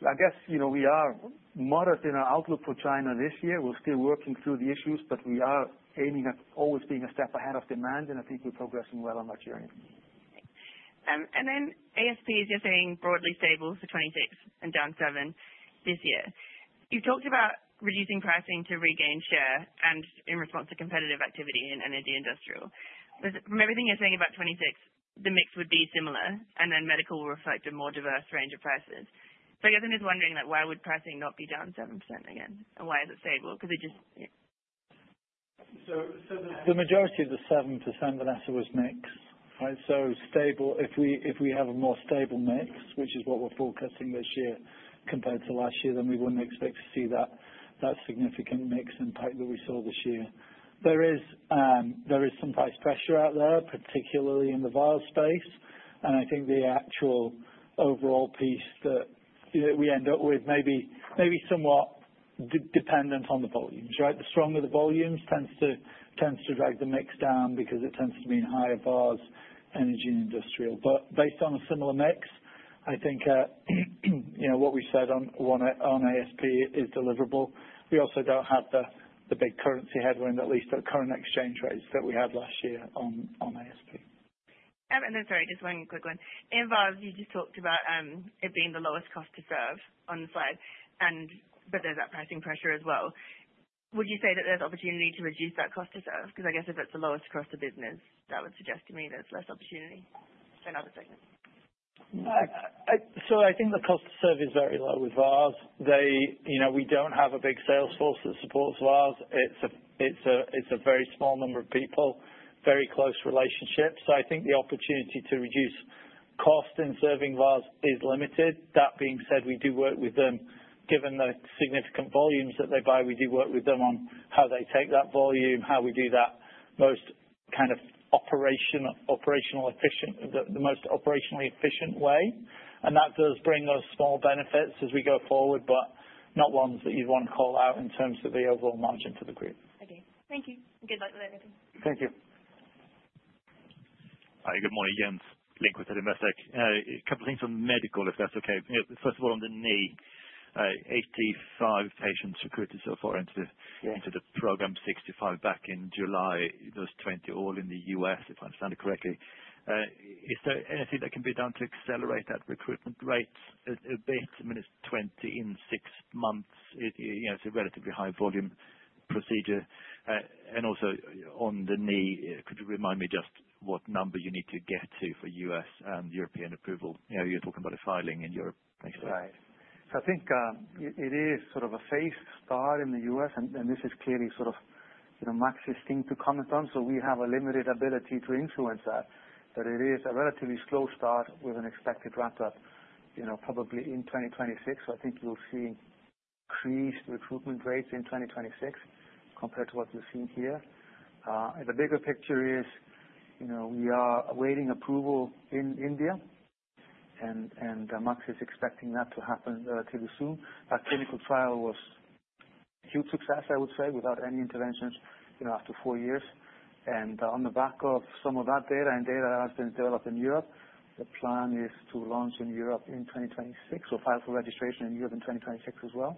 I guess we are moderate in our outlook for China this year. We're still working through the issues, but we are aiming at always being a step ahead of demand, and I think we're progressing well on that journey. ASPs, you're saying broadly stable for 2026 and down 7% this year. You've talked about reducing pricing to regain share and in response to competitive activity in energy industrial. From everything you're saying about 2026, the mix would be similar, and medical will reflect a more diverse range of prices. I guess I'm just wondering, why would pricing not be down 7% again? Why is it stable? It just... The majority of the 7%, Vanessa, was mix. Stable, if we have a more stable mix, which is what we're forecasting this year compared to last year, then we wouldn't expect to see that significant mix impact that we saw this year. There is some price pressure out there, particularly in the vial space. I think the actual overall piece that we end up with may be somewhat dependent on the volumes, right? The stronger the volumes tends to drag the mix down because it tends to be in higher bars, energy and industrial. Based on a similar mix, I think what we said on ASP is deliverable. We also do not have the big currency headwind, at least at current exchange rates, that we had last year on ASP. Sorry, just one quick one. In VAS, you just talked about it being the lowest cost to serve on the side, but there is that pricing pressure as well. Would you say that there is opportunity to reduce that cost to serve? Because I guess if it's the lowest cost to business, that would suggest to me there's less opportunity than other segments. I think the cost to serve is very low with VAS. We don't have a big sales force that supports VAS. It's a very small number of people, very close relationships. I think the opportunity to reduce cost in serving VAS is limited. That being said, we do work with them. Given the significant volumes that they buy, we do work with them on how they take that volume, how we do that most kind of operational efficient, the most operationally efficient way. That does bring us small benefits as we go forward, but not ones that you'd want to call out in terms of the overall margin for the group. Okay. Thank you. Good luck with everything. Thank you. Hi, good morning. Ian Melling with Peel Hunt. A couple of things on medical, if that's okay. First of all, on the knee, 85 patients recruited so far into the program, 65 back in July. Those 20 are all in the U.S., if I understand it correctly. Is there anything that can be done to accelerate that recruitment rate a bit? I mean, it's 20 in six months. It's a relatively high-volume procedure. Also on the knee, could you remind me just what number you need to get to for U.S. and European approval? You're talking about a filing in Europe. Thanks for that. Right. I think it is sort of a phased start in the U.S., and this is clearly sort of Max's thing to comment on. We have a limited ability to influence that. It is a relatively slow start with an expected wrap-up probably in 2026. I think you'll see increased recruitment rates in 2026 compared to what you're seeing here. The bigger picture is we are awaiting approval in India, and Max is expecting that to happen relatively soon. That clinical trial was a huge success, I would say, without any interventions after four years. On the back of some of that data and data that has been developed in Europe, the plan is to launch in Europe in 2026 or file for registration in Europe in 2026 as well.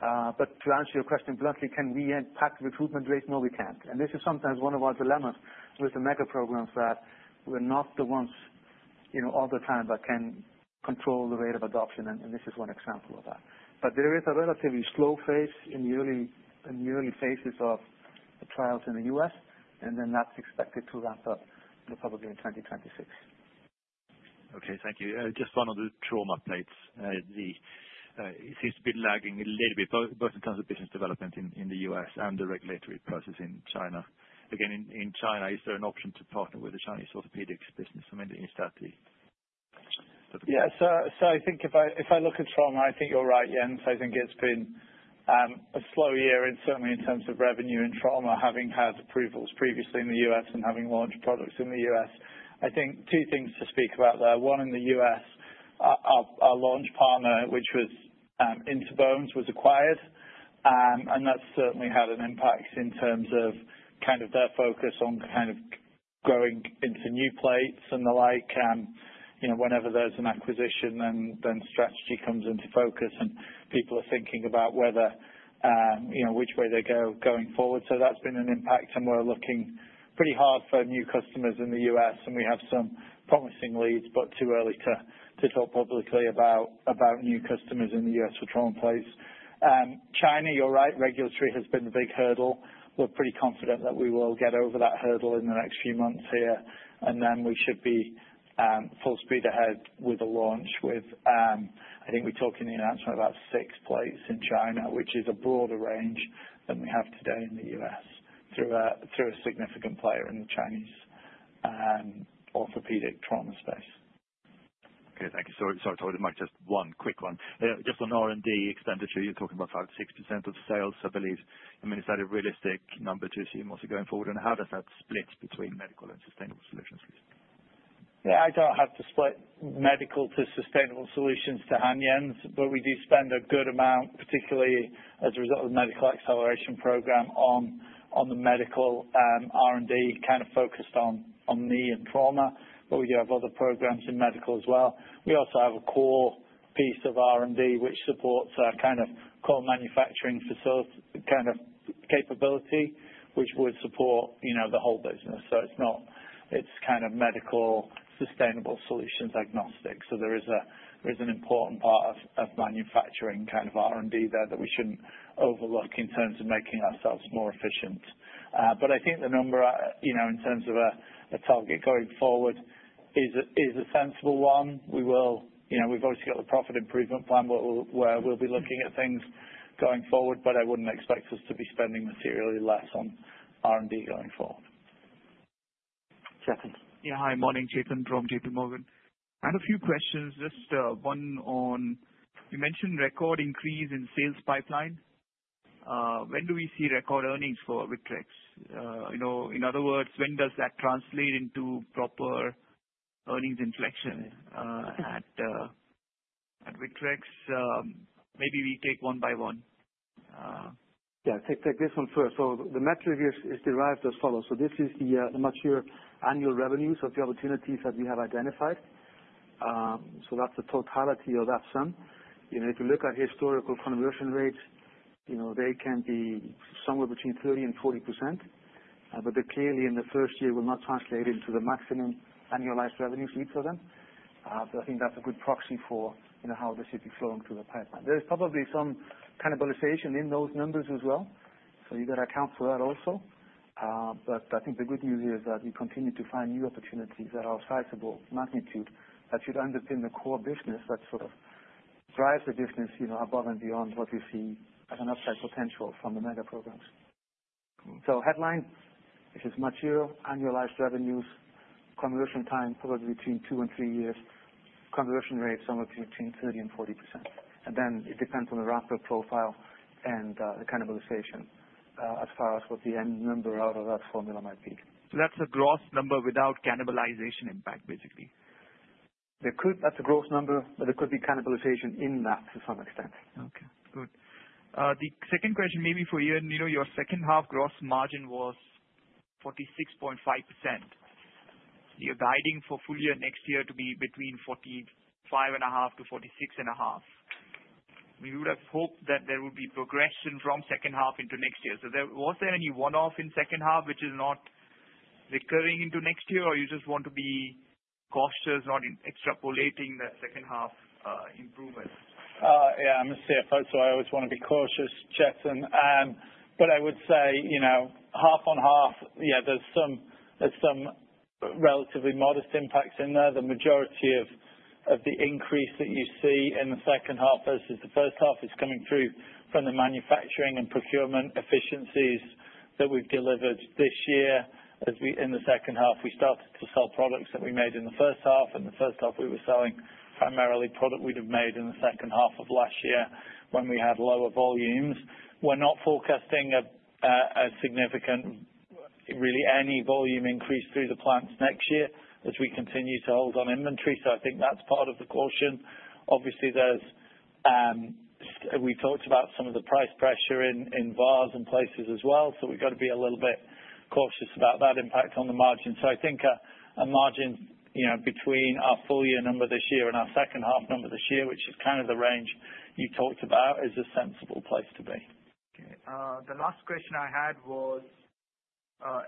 To answer your question bluntly, can we impact recruitment rates? No, we can't. This is sometimes one of our dilemmas with the mega programs that we're not the ones all the time that can control the rate of adoption, and this is one example of that. There is a relatively slow phase in the early phases of the trials in the U.S., and then that's expected to ramp up probably in 2026. Okay. Thank you. Just one other trauma plate. It seems to be lagging a little bit, both in terms of business development in the U.S. and the regulatory process in China. Again, in China, is there an option to partner with the Chinese orthopedics business? I mean, is that the... Yeah. I think if I look at trauma, I think you're right, Ian. I think it's been a slow year, and certainly in terms of revenue and trauma, having had approvals previously in the U.S. and having launched products in the U.S. I think two things to speak about there. One in the U.S., our launch partner, which was Into Bones, was acquired. That has certainly had an impact in terms of their focus on growing into new plates and the like. Whenever there is an acquisition, then strategy comes into focus, and people are thinking about which way they go going forward. That has been an impact, and we are looking pretty hard for new customers in the US, and we have some promising leads, but it is too early to talk publicly about new customers in the US for trauma plates. China, you are right, regulatory has been the big hurdle. We are pretty confident that we will get over that hurdle in the next few months here, and then we should be full speed ahead with a launch. I think we are talking in the announcement about six plates in China, which is a broader range than we have today in the US through a significant player in the Chinese orthopedic trauma space. Okay. Thank you. Sorry to hold your mic. Just one quick one. Just on R&D expenditure, you're talking about 5%-6% of sales, I believe. I mean, is that a realistic number to see mostly going forward? And how does that split between medical and sustainable solutions, please? Yeah. I don't have the split medical to sustainable solutions to hand, yes, but we do spend a good amount, particularly as a result of the medical acceleration program, on the medical R&D kind of focused on knee and trauma. But we do have other programs in medical as well. We also have a core piece of R&D which supports kind of core manufacturing kind of capability, which would support the whole business. So it's kind of medical sustainable solutions agnostic. There is an important part of manufacturing kind of R&D there that we should not overlook in terms of making ourselves more efficient. I think the number in terms of a target going forward is a sensible one. We have obviously got the profit improvement plan where we will be looking at things going forward, but I would not expect us to be spending materially less on R&D going forward. Chetan. Yeah. Hi, morning, Chetan From JPMorgan. I had a few questions. Just one on, you mentioned record increase in sales pipeline. When do we see record earnings for Victrex? In other words, when does that translate into proper earnings inflection at Victrex? Maybe we take one by one. Yeah. Take this one first. The metric is derived as follows. This is the mature annual revenues of the opportunities that we have identified. That's the totality of that sum. If you look at historical conversion rates, they can be somewhere between 30% and 40%, but they clearly in the first year will not translate into the maximum annualized revenues each of them. I think that's a good proxy for how this should be flowing through the pipeline. There is probably some cannibalization in those numbers as well, so you got to account for that also. I think the good news is that we continue to find new opportunities that are of sizable magnitude that should underpin the core business that sort of drives the business above and beyond what we see as an upside potential from the mega programs. Headline, which is mature annualized revenues, conversion time probably between two and three years, conversion rate somewhere between 30% and 40%. It depends on the wrap-up profile and the cannibalization as far as what the end number out of that formula might be. That is a gross number without cannibalization impact, basically? That is a gross number, but there could be cannibalization in that to some extent. Good. The second question may be for you. Your second-half gross margin was 46.5%. You are guiding for full year next year to be between 45.5%-46.5%. We would have hoped that there would be progression from second half into next year. Was there any one-off in second half which is not recurring into next year, or do you just want to be cautious, not extrapolating that second half improvement? I am a CFO, so I always want to be cautious, Jeff. I would say half on half, there are some relatively modest impacts in there. The majority of the increase that you see in the second half versus the first half is coming through from the manufacturing and procurement efficiencies that we've delivered this year. In the second half, we started to sell products that we made in the first half. In the first half, we were selling primarily product we'd have made in the second half of last year when we had lower volumes. We're not forecasting a significant, really any volume increase through the plants next year as we continue to hold on inventory. I think that's part of the caution. Obviously, we talked about some of the price pressure in VAS and places as well. We've got to be a little bit cautious about that impact on the margin. I think a margin between our full year number this year and our second half number this year, which is kind of the range you talked about, is a sensible place to be. Okay. The last question I had was,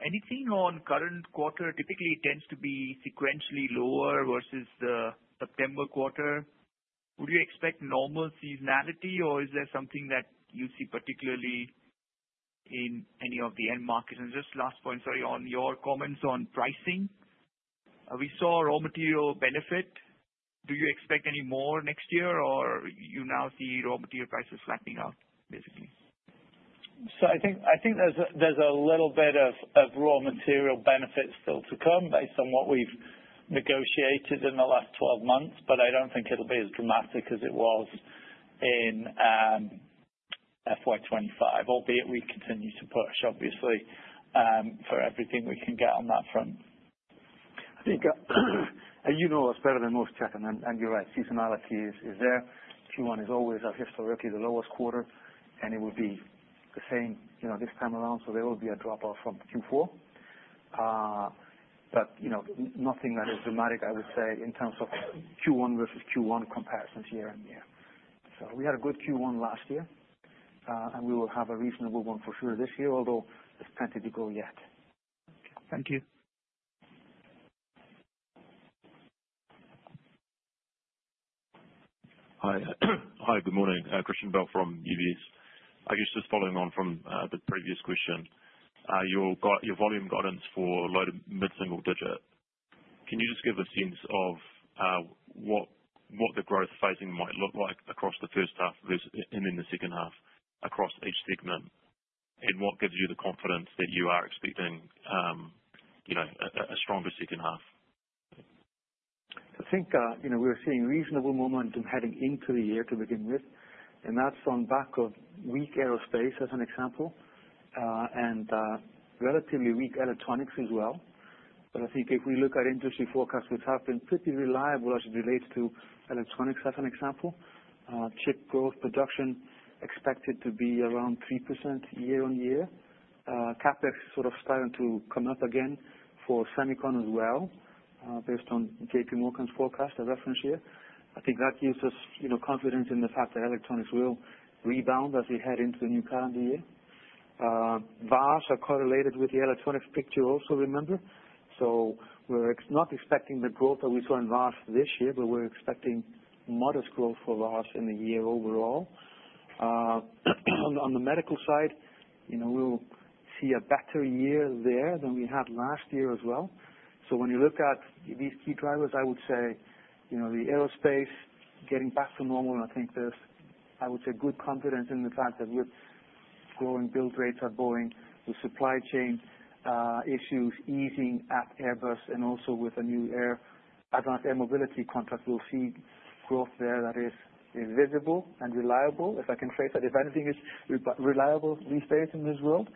anything on current quarter typically tends to be sequentially lower versus the September quarter. Would you expect normal seasonality, or is there something that you see particularly in any of the end markets? Just last point, sorry, on your comments on pricing. We saw raw material benefit. Do you expect any more next year, or you now see raw material prices flattening out, basically? I think there's a little bit of raw material benefit still to come based on what we've negotiated in the last 12 months, but I don't think it'll be as dramatic as it was in FY 2025, albeit we continue to push, obviously, for everything we can get on that front. I think you know us better than most, Chetan, and you're right. Seasonality is there. Q1 is always, historically, the lowest quarter, and it would be the same this time around. There will be a drop-off from Q4. Nothing that is dramatic, I would say, in terms of Q1 versus Q1 comparison year and year. We had a good Q1 last year, and we will have a reasonable one for sure this year, although there's plenty to go yet. Okay. Thank you. Hi. Hi, good morning. Christian Bell from UBS. I was just following on from the previous question. Your volume guidance for low to mid-single digit, can you just give a sense of what the growth phasing might look like across the first half and then the second half across each segment? What gives you the confidence that you are expecting a stronger second half? I think we're seeing reasonable momentum heading into the year to begin with. That is on back of weak aerospace as an example and relatively weak electronics as well. I think if we look at industry forecasts, which have been pretty reliable as it relates to electronics as an example, chip growth production expected to be around 3% year on year. CapEx sort of starting to come up again for Semicon as well based on JPMorgan's forecast, the reference year. I think that gives us confidence in the fact that electronics will rebound as we head into the new calendar year. VAS are correlated with the electronics picture also, remember. We are not expecting the growth that we saw in VAS this year, but we are expecting modest growth for VAS in the year overall. On the medical side, we will see a better year there than we had last year as well. When you look at these key drivers, I would say the aerospace getting back to normal. I think there is, I would say, good confidence in the fact that with growing build rates at Boeing, with supply chain issues easing at Airbus, and also with a new advanced air mobility contract, we will see growth there that is visible and reliable, if I can phrase that. If anything, it is reliable these days in this world.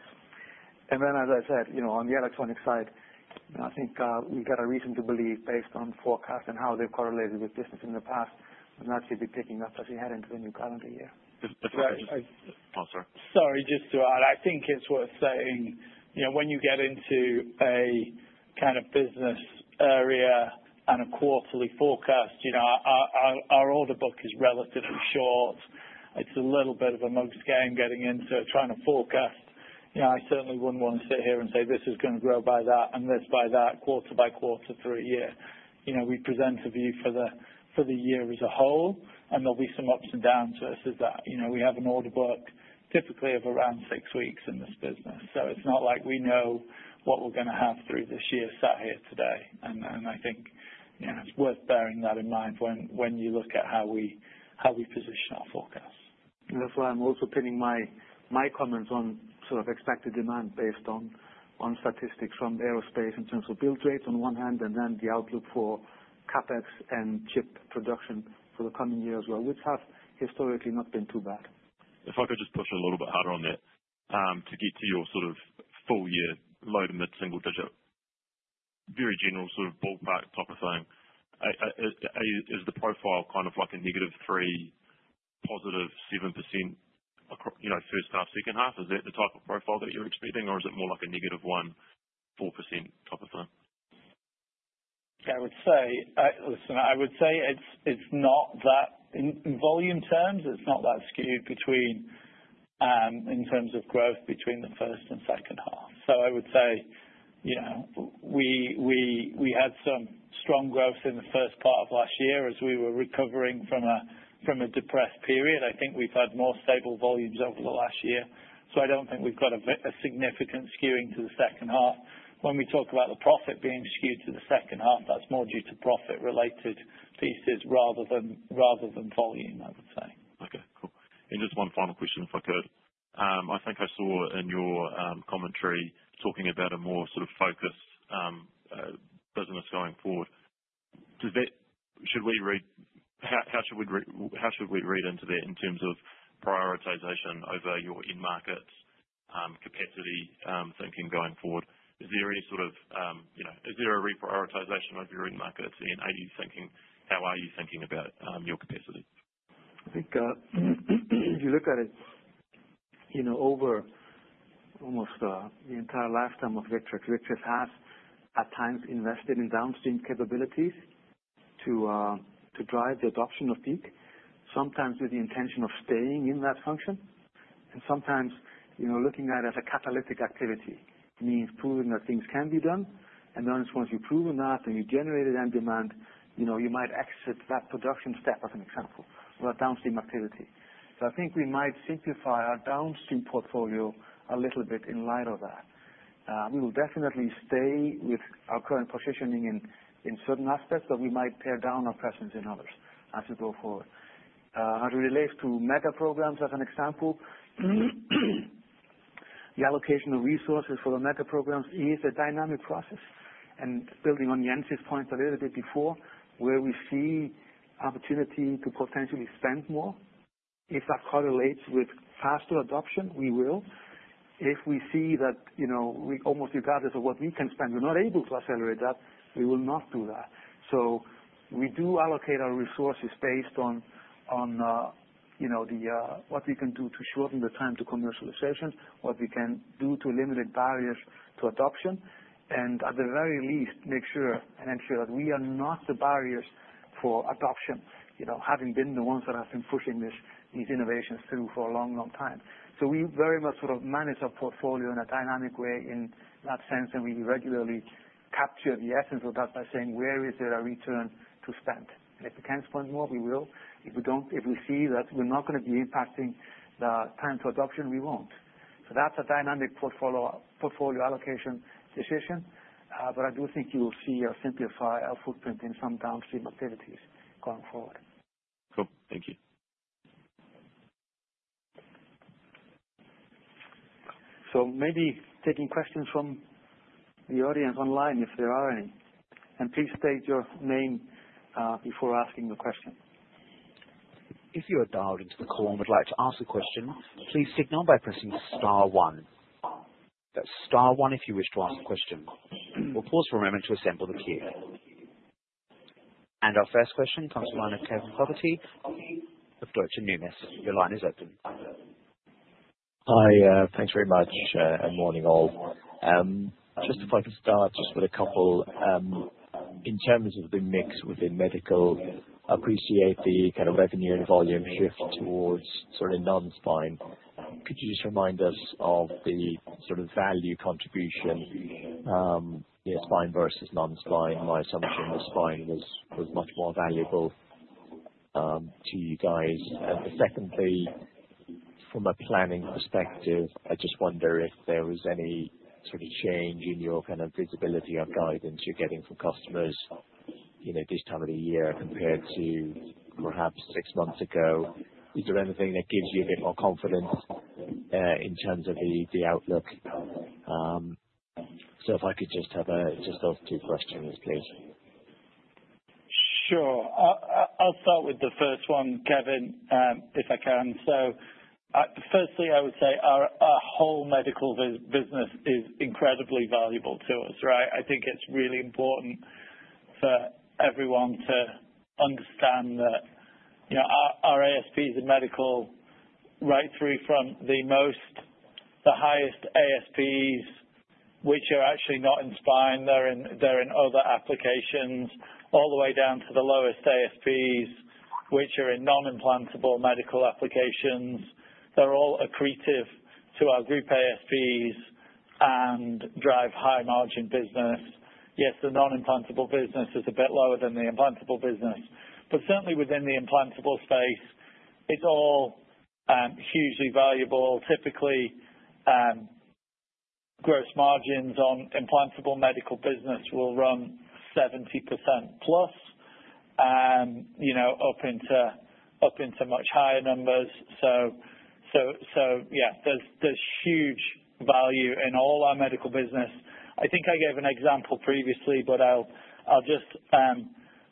As I said, on the electronic side, I think we've got a reason to believe based on forecasts and how they've correlated with business in the past, and that should be picking up as we head into the new calendar year. Sorry. Sorry. Just to add, I think it's worth saying when you get into a kind of business area and a quarterly forecast, our order book is relatively short. It's a little bit of a mug scan getting into trying to forecast. I certainly wouldn't want to sit here and say, "This is going to grow by that and this by that, quarter by quarter through a year." We present a view for the year as a whole, and there'll be some ups and downs versus that. We have an order book typically of around six weeks in this business. It's not like we know what we're going to have through this year sat here today. I think it's worth bearing that in mind when you look at how we position our forecasts. That's why I'm also pinning my comments on sort of expected demand based on statistics from aerospace in terms of build rates on one hand, and then the outlook for CapEx and chip production for the coming year as well, which have historically not been too bad. If I could just push a little bit harder on that to get to your sort of full year low to mid-single digit, very general sort of ballpark type of thing, is the profile kind of like a negative 3%, positive 7% first half, second half? Is that the type of profile that you're expecting, or is it more like a negative 1%, 4% type of thing? I would say, listen, I would say it's not that in volume terms, it's not that skewed in terms of growth between the first and second half. I would say we had some strong growth in the first part of last year as we were recovering from a depressed period. I think we've had more stable volumes over the last year. I don't think we've got a significant skewing to the second half. When we talk about the profit being skewed to the second half, that's more due to profit-related pieces rather than volume, I would say. Okay. Cool. Just one final question, if I could. I think I saw in your commentary talking about a more sort of focused business going forward. How should we read into that in terms of prioritization over your end markets' capacity thinking going forward? Is there any sort of reprioritization of your end markets? And are you thinking, how are you thinking about your capacity? I think if you look at it over almost the entire lifetime of Victrex, Victrex has at times invested in downstream capabilities to drive the adoption of PEEK, sometimes with the intention of staying in that function, and sometimes looking at it as a catalytic activity, meaning proving that things can be done. Then once you prove that and you generate it on demand, you might exit that production step as an example or a downstream activity. I think we might simplify our downstream portfolio a little bit in light of that. We will definitely stay with our current positioning in certain aspects, but we might pare down our presence in others as we go forward. As it relates to mega programs as an example, the allocation of resources for the mega programs is a dynamic process. Building on Jens's point a little bit before, where we see opportunity to potentially spend more, if that correlates with faster adoption, we will. If we see that almost regardless of what we can spend, we're not able to accelerate that, we will not do that. We do allocate our resources based on what we can do to shorten the time to commercialization, what we can do to eliminate barriers to adoption, and at the very least, make sure and ensure that we are not the barriers for adoption, having been the ones that have been pushing these innovations through for a long, long time. We very much sort of manage our portfolio in a dynamic way in that sense, and we regularly capture the essence of that by saying, "Where is there a return to spend?" If we can spend more, we will. If we see that we're not going to be impacting the time to adoption, we won't. That is a dynamic portfolio allocation decision. I do think you will see a simplified footprint in some downstream activities going forward. Cool. Thank you. Maybe taking questions from the audience online if there are any. Please state your name before asking the question. If you are dialed into the call and would like to ask a question, please signal by pressing star one. That's star one if you wish to ask a question. We'll pause for a moment to assemble the queue. Our first question comes from Kevin Cruickshank of Deutsche Numis. Your line is open. Hi. Thanks very much. Good morning, all. Just if I can start just with a couple. In terms of the mix within medical, I appreciate the kind of revenue and volume shift towards sort of non-spine. Could you just remind us of the sort of value contribution, spine versus non-spine? My assumption was spine was much more valuable to you guys. Secondly, from a planning perspective, I just wonder if there was any sort of change in your kind of visibility of guidance you're getting from customers this time of the year compared to perhaps six months ago. Is there anything that gives you a bit more confidence in terms of the outlook? If I could just have just those two questions, please. Sure. I'll start with the first one, Kevin, if I can. Firstly, I would say our whole medical business is incredibly valuable to us, right? I think it's really important for everyone to understand that our ASPs in medical, right through from the highest ASPs, which are actually not in spine, they're in other applications, all the way down to the lowest ASPs, which are in non-implantable medical applications. They're all accretive to our group ASPs and drive high-margin business. Yes, the non-implantable business is a bit lower than the implantable business. Certainly within the implantable space, it's all hugely valuable. Typically, gross margins on implantable medical business will run 70% plus and up into much higher numbers. Yeah, there's huge value in all our medical business. I think I gave an example previously, but I'll just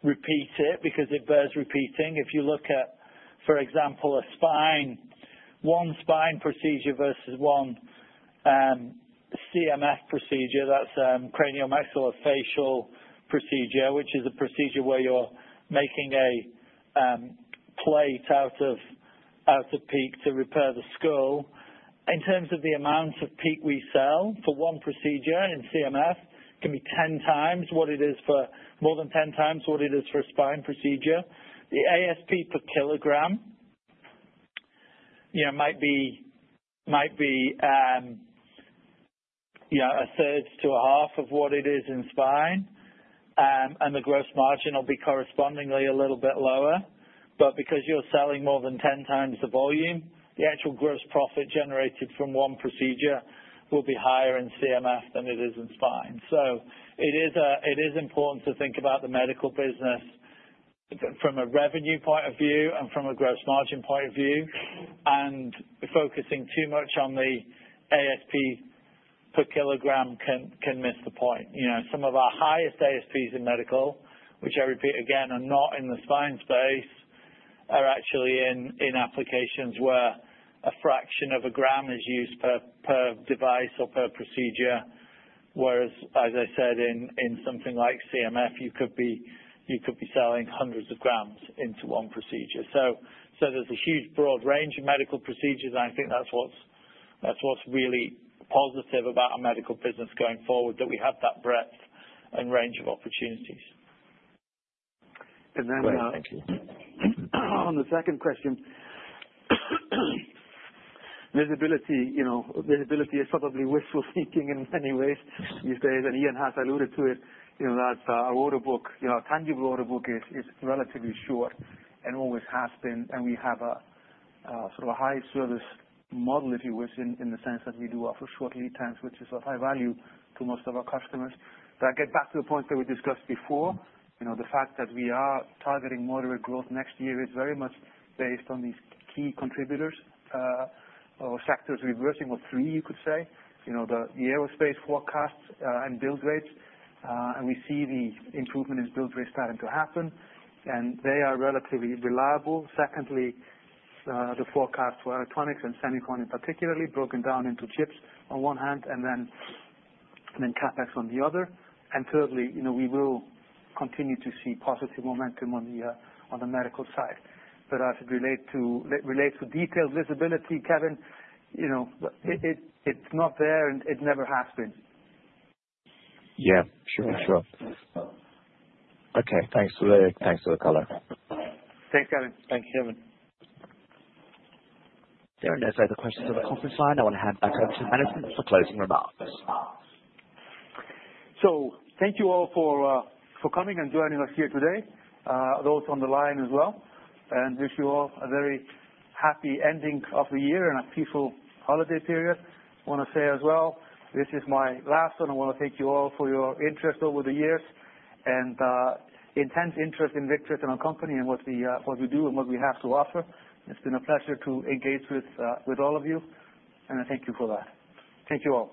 repeat it because it bears repeating. If you look at, for example, a spine, one spine procedure versus one CMF procedure, that's cranial maxillofacial procedure, which is a procedure where you're making a plate out of PEEK to repair the skull. In terms of the amount of PEEK we sell for one procedure in CMF, it can be 10 times what it is for more than 10 times what it is for a spine procedure. The ASP per kilogram might be a third to a half of what it is in spine, and the gross margin will be correspondingly a little bit lower. Because you're selling more than 10 times the volume, the actual gross profit generated from one procedure will be higher in CMF than it is in spine. It is important to think about the medical business from a revenue point of view and from a gross margin point of view. Focusing too much on the ASP per kilogram can miss the point. Some of our highest ASPs in medical, which I repeat again, are not in the spine space, are actually in applications where a fraction of a gram is used per device or per procedure. Whereas, as I said, in something like CMF, you could be selling hundreds of grams into one procedure. There is a huge broad range of medical procedures, and I think that is what is really positive about our medical business going forward, that we have that breadth and range of opportunities. On the second question, visibility is probably wishful thinking in many ways. These days, and Ian has alluded to it, our order book, our tangible order book is relatively short and always has been. We have sort of a high-service model, if you wish, in the sense that we do offer short lead times, which is of high value to most of our customers. I get back to the point that we discussed before. The fact that we are targeting moderate growth next year is very much based on these key contributors or sectors reversing or three, you could say, the aerospace forecasts and build rates. We see the improvement in build rates starting to happen, and they are relatively reliable. Secondly, the forecast for electronics and semiconductors, particularly broken down into chips on one hand, and then CapEx on the other. Thirdly, we will continue to see positive momentum on the medical side. As it relates to detailed visibility, Kevin, it is not there, and it never has been. Yeah. Sure. Sure. Okay. Thanks for the color. Thanks, Kevin. Thanks, Kevin. There are no further questions on the conference line. I want to hand back over to the management for closing remarks. Thank you all for coming and joining us here today, those on the line as well. I wish you all a very happy ending of the year and a peaceful holiday period. I want to say as well, this is my last, and I want to thank you all for your interest over the years and intense interest in Victrex and our company and what we do and what we have to offer. It's been a pleasure to engage with all of you, and I thank you for that. Thank you all.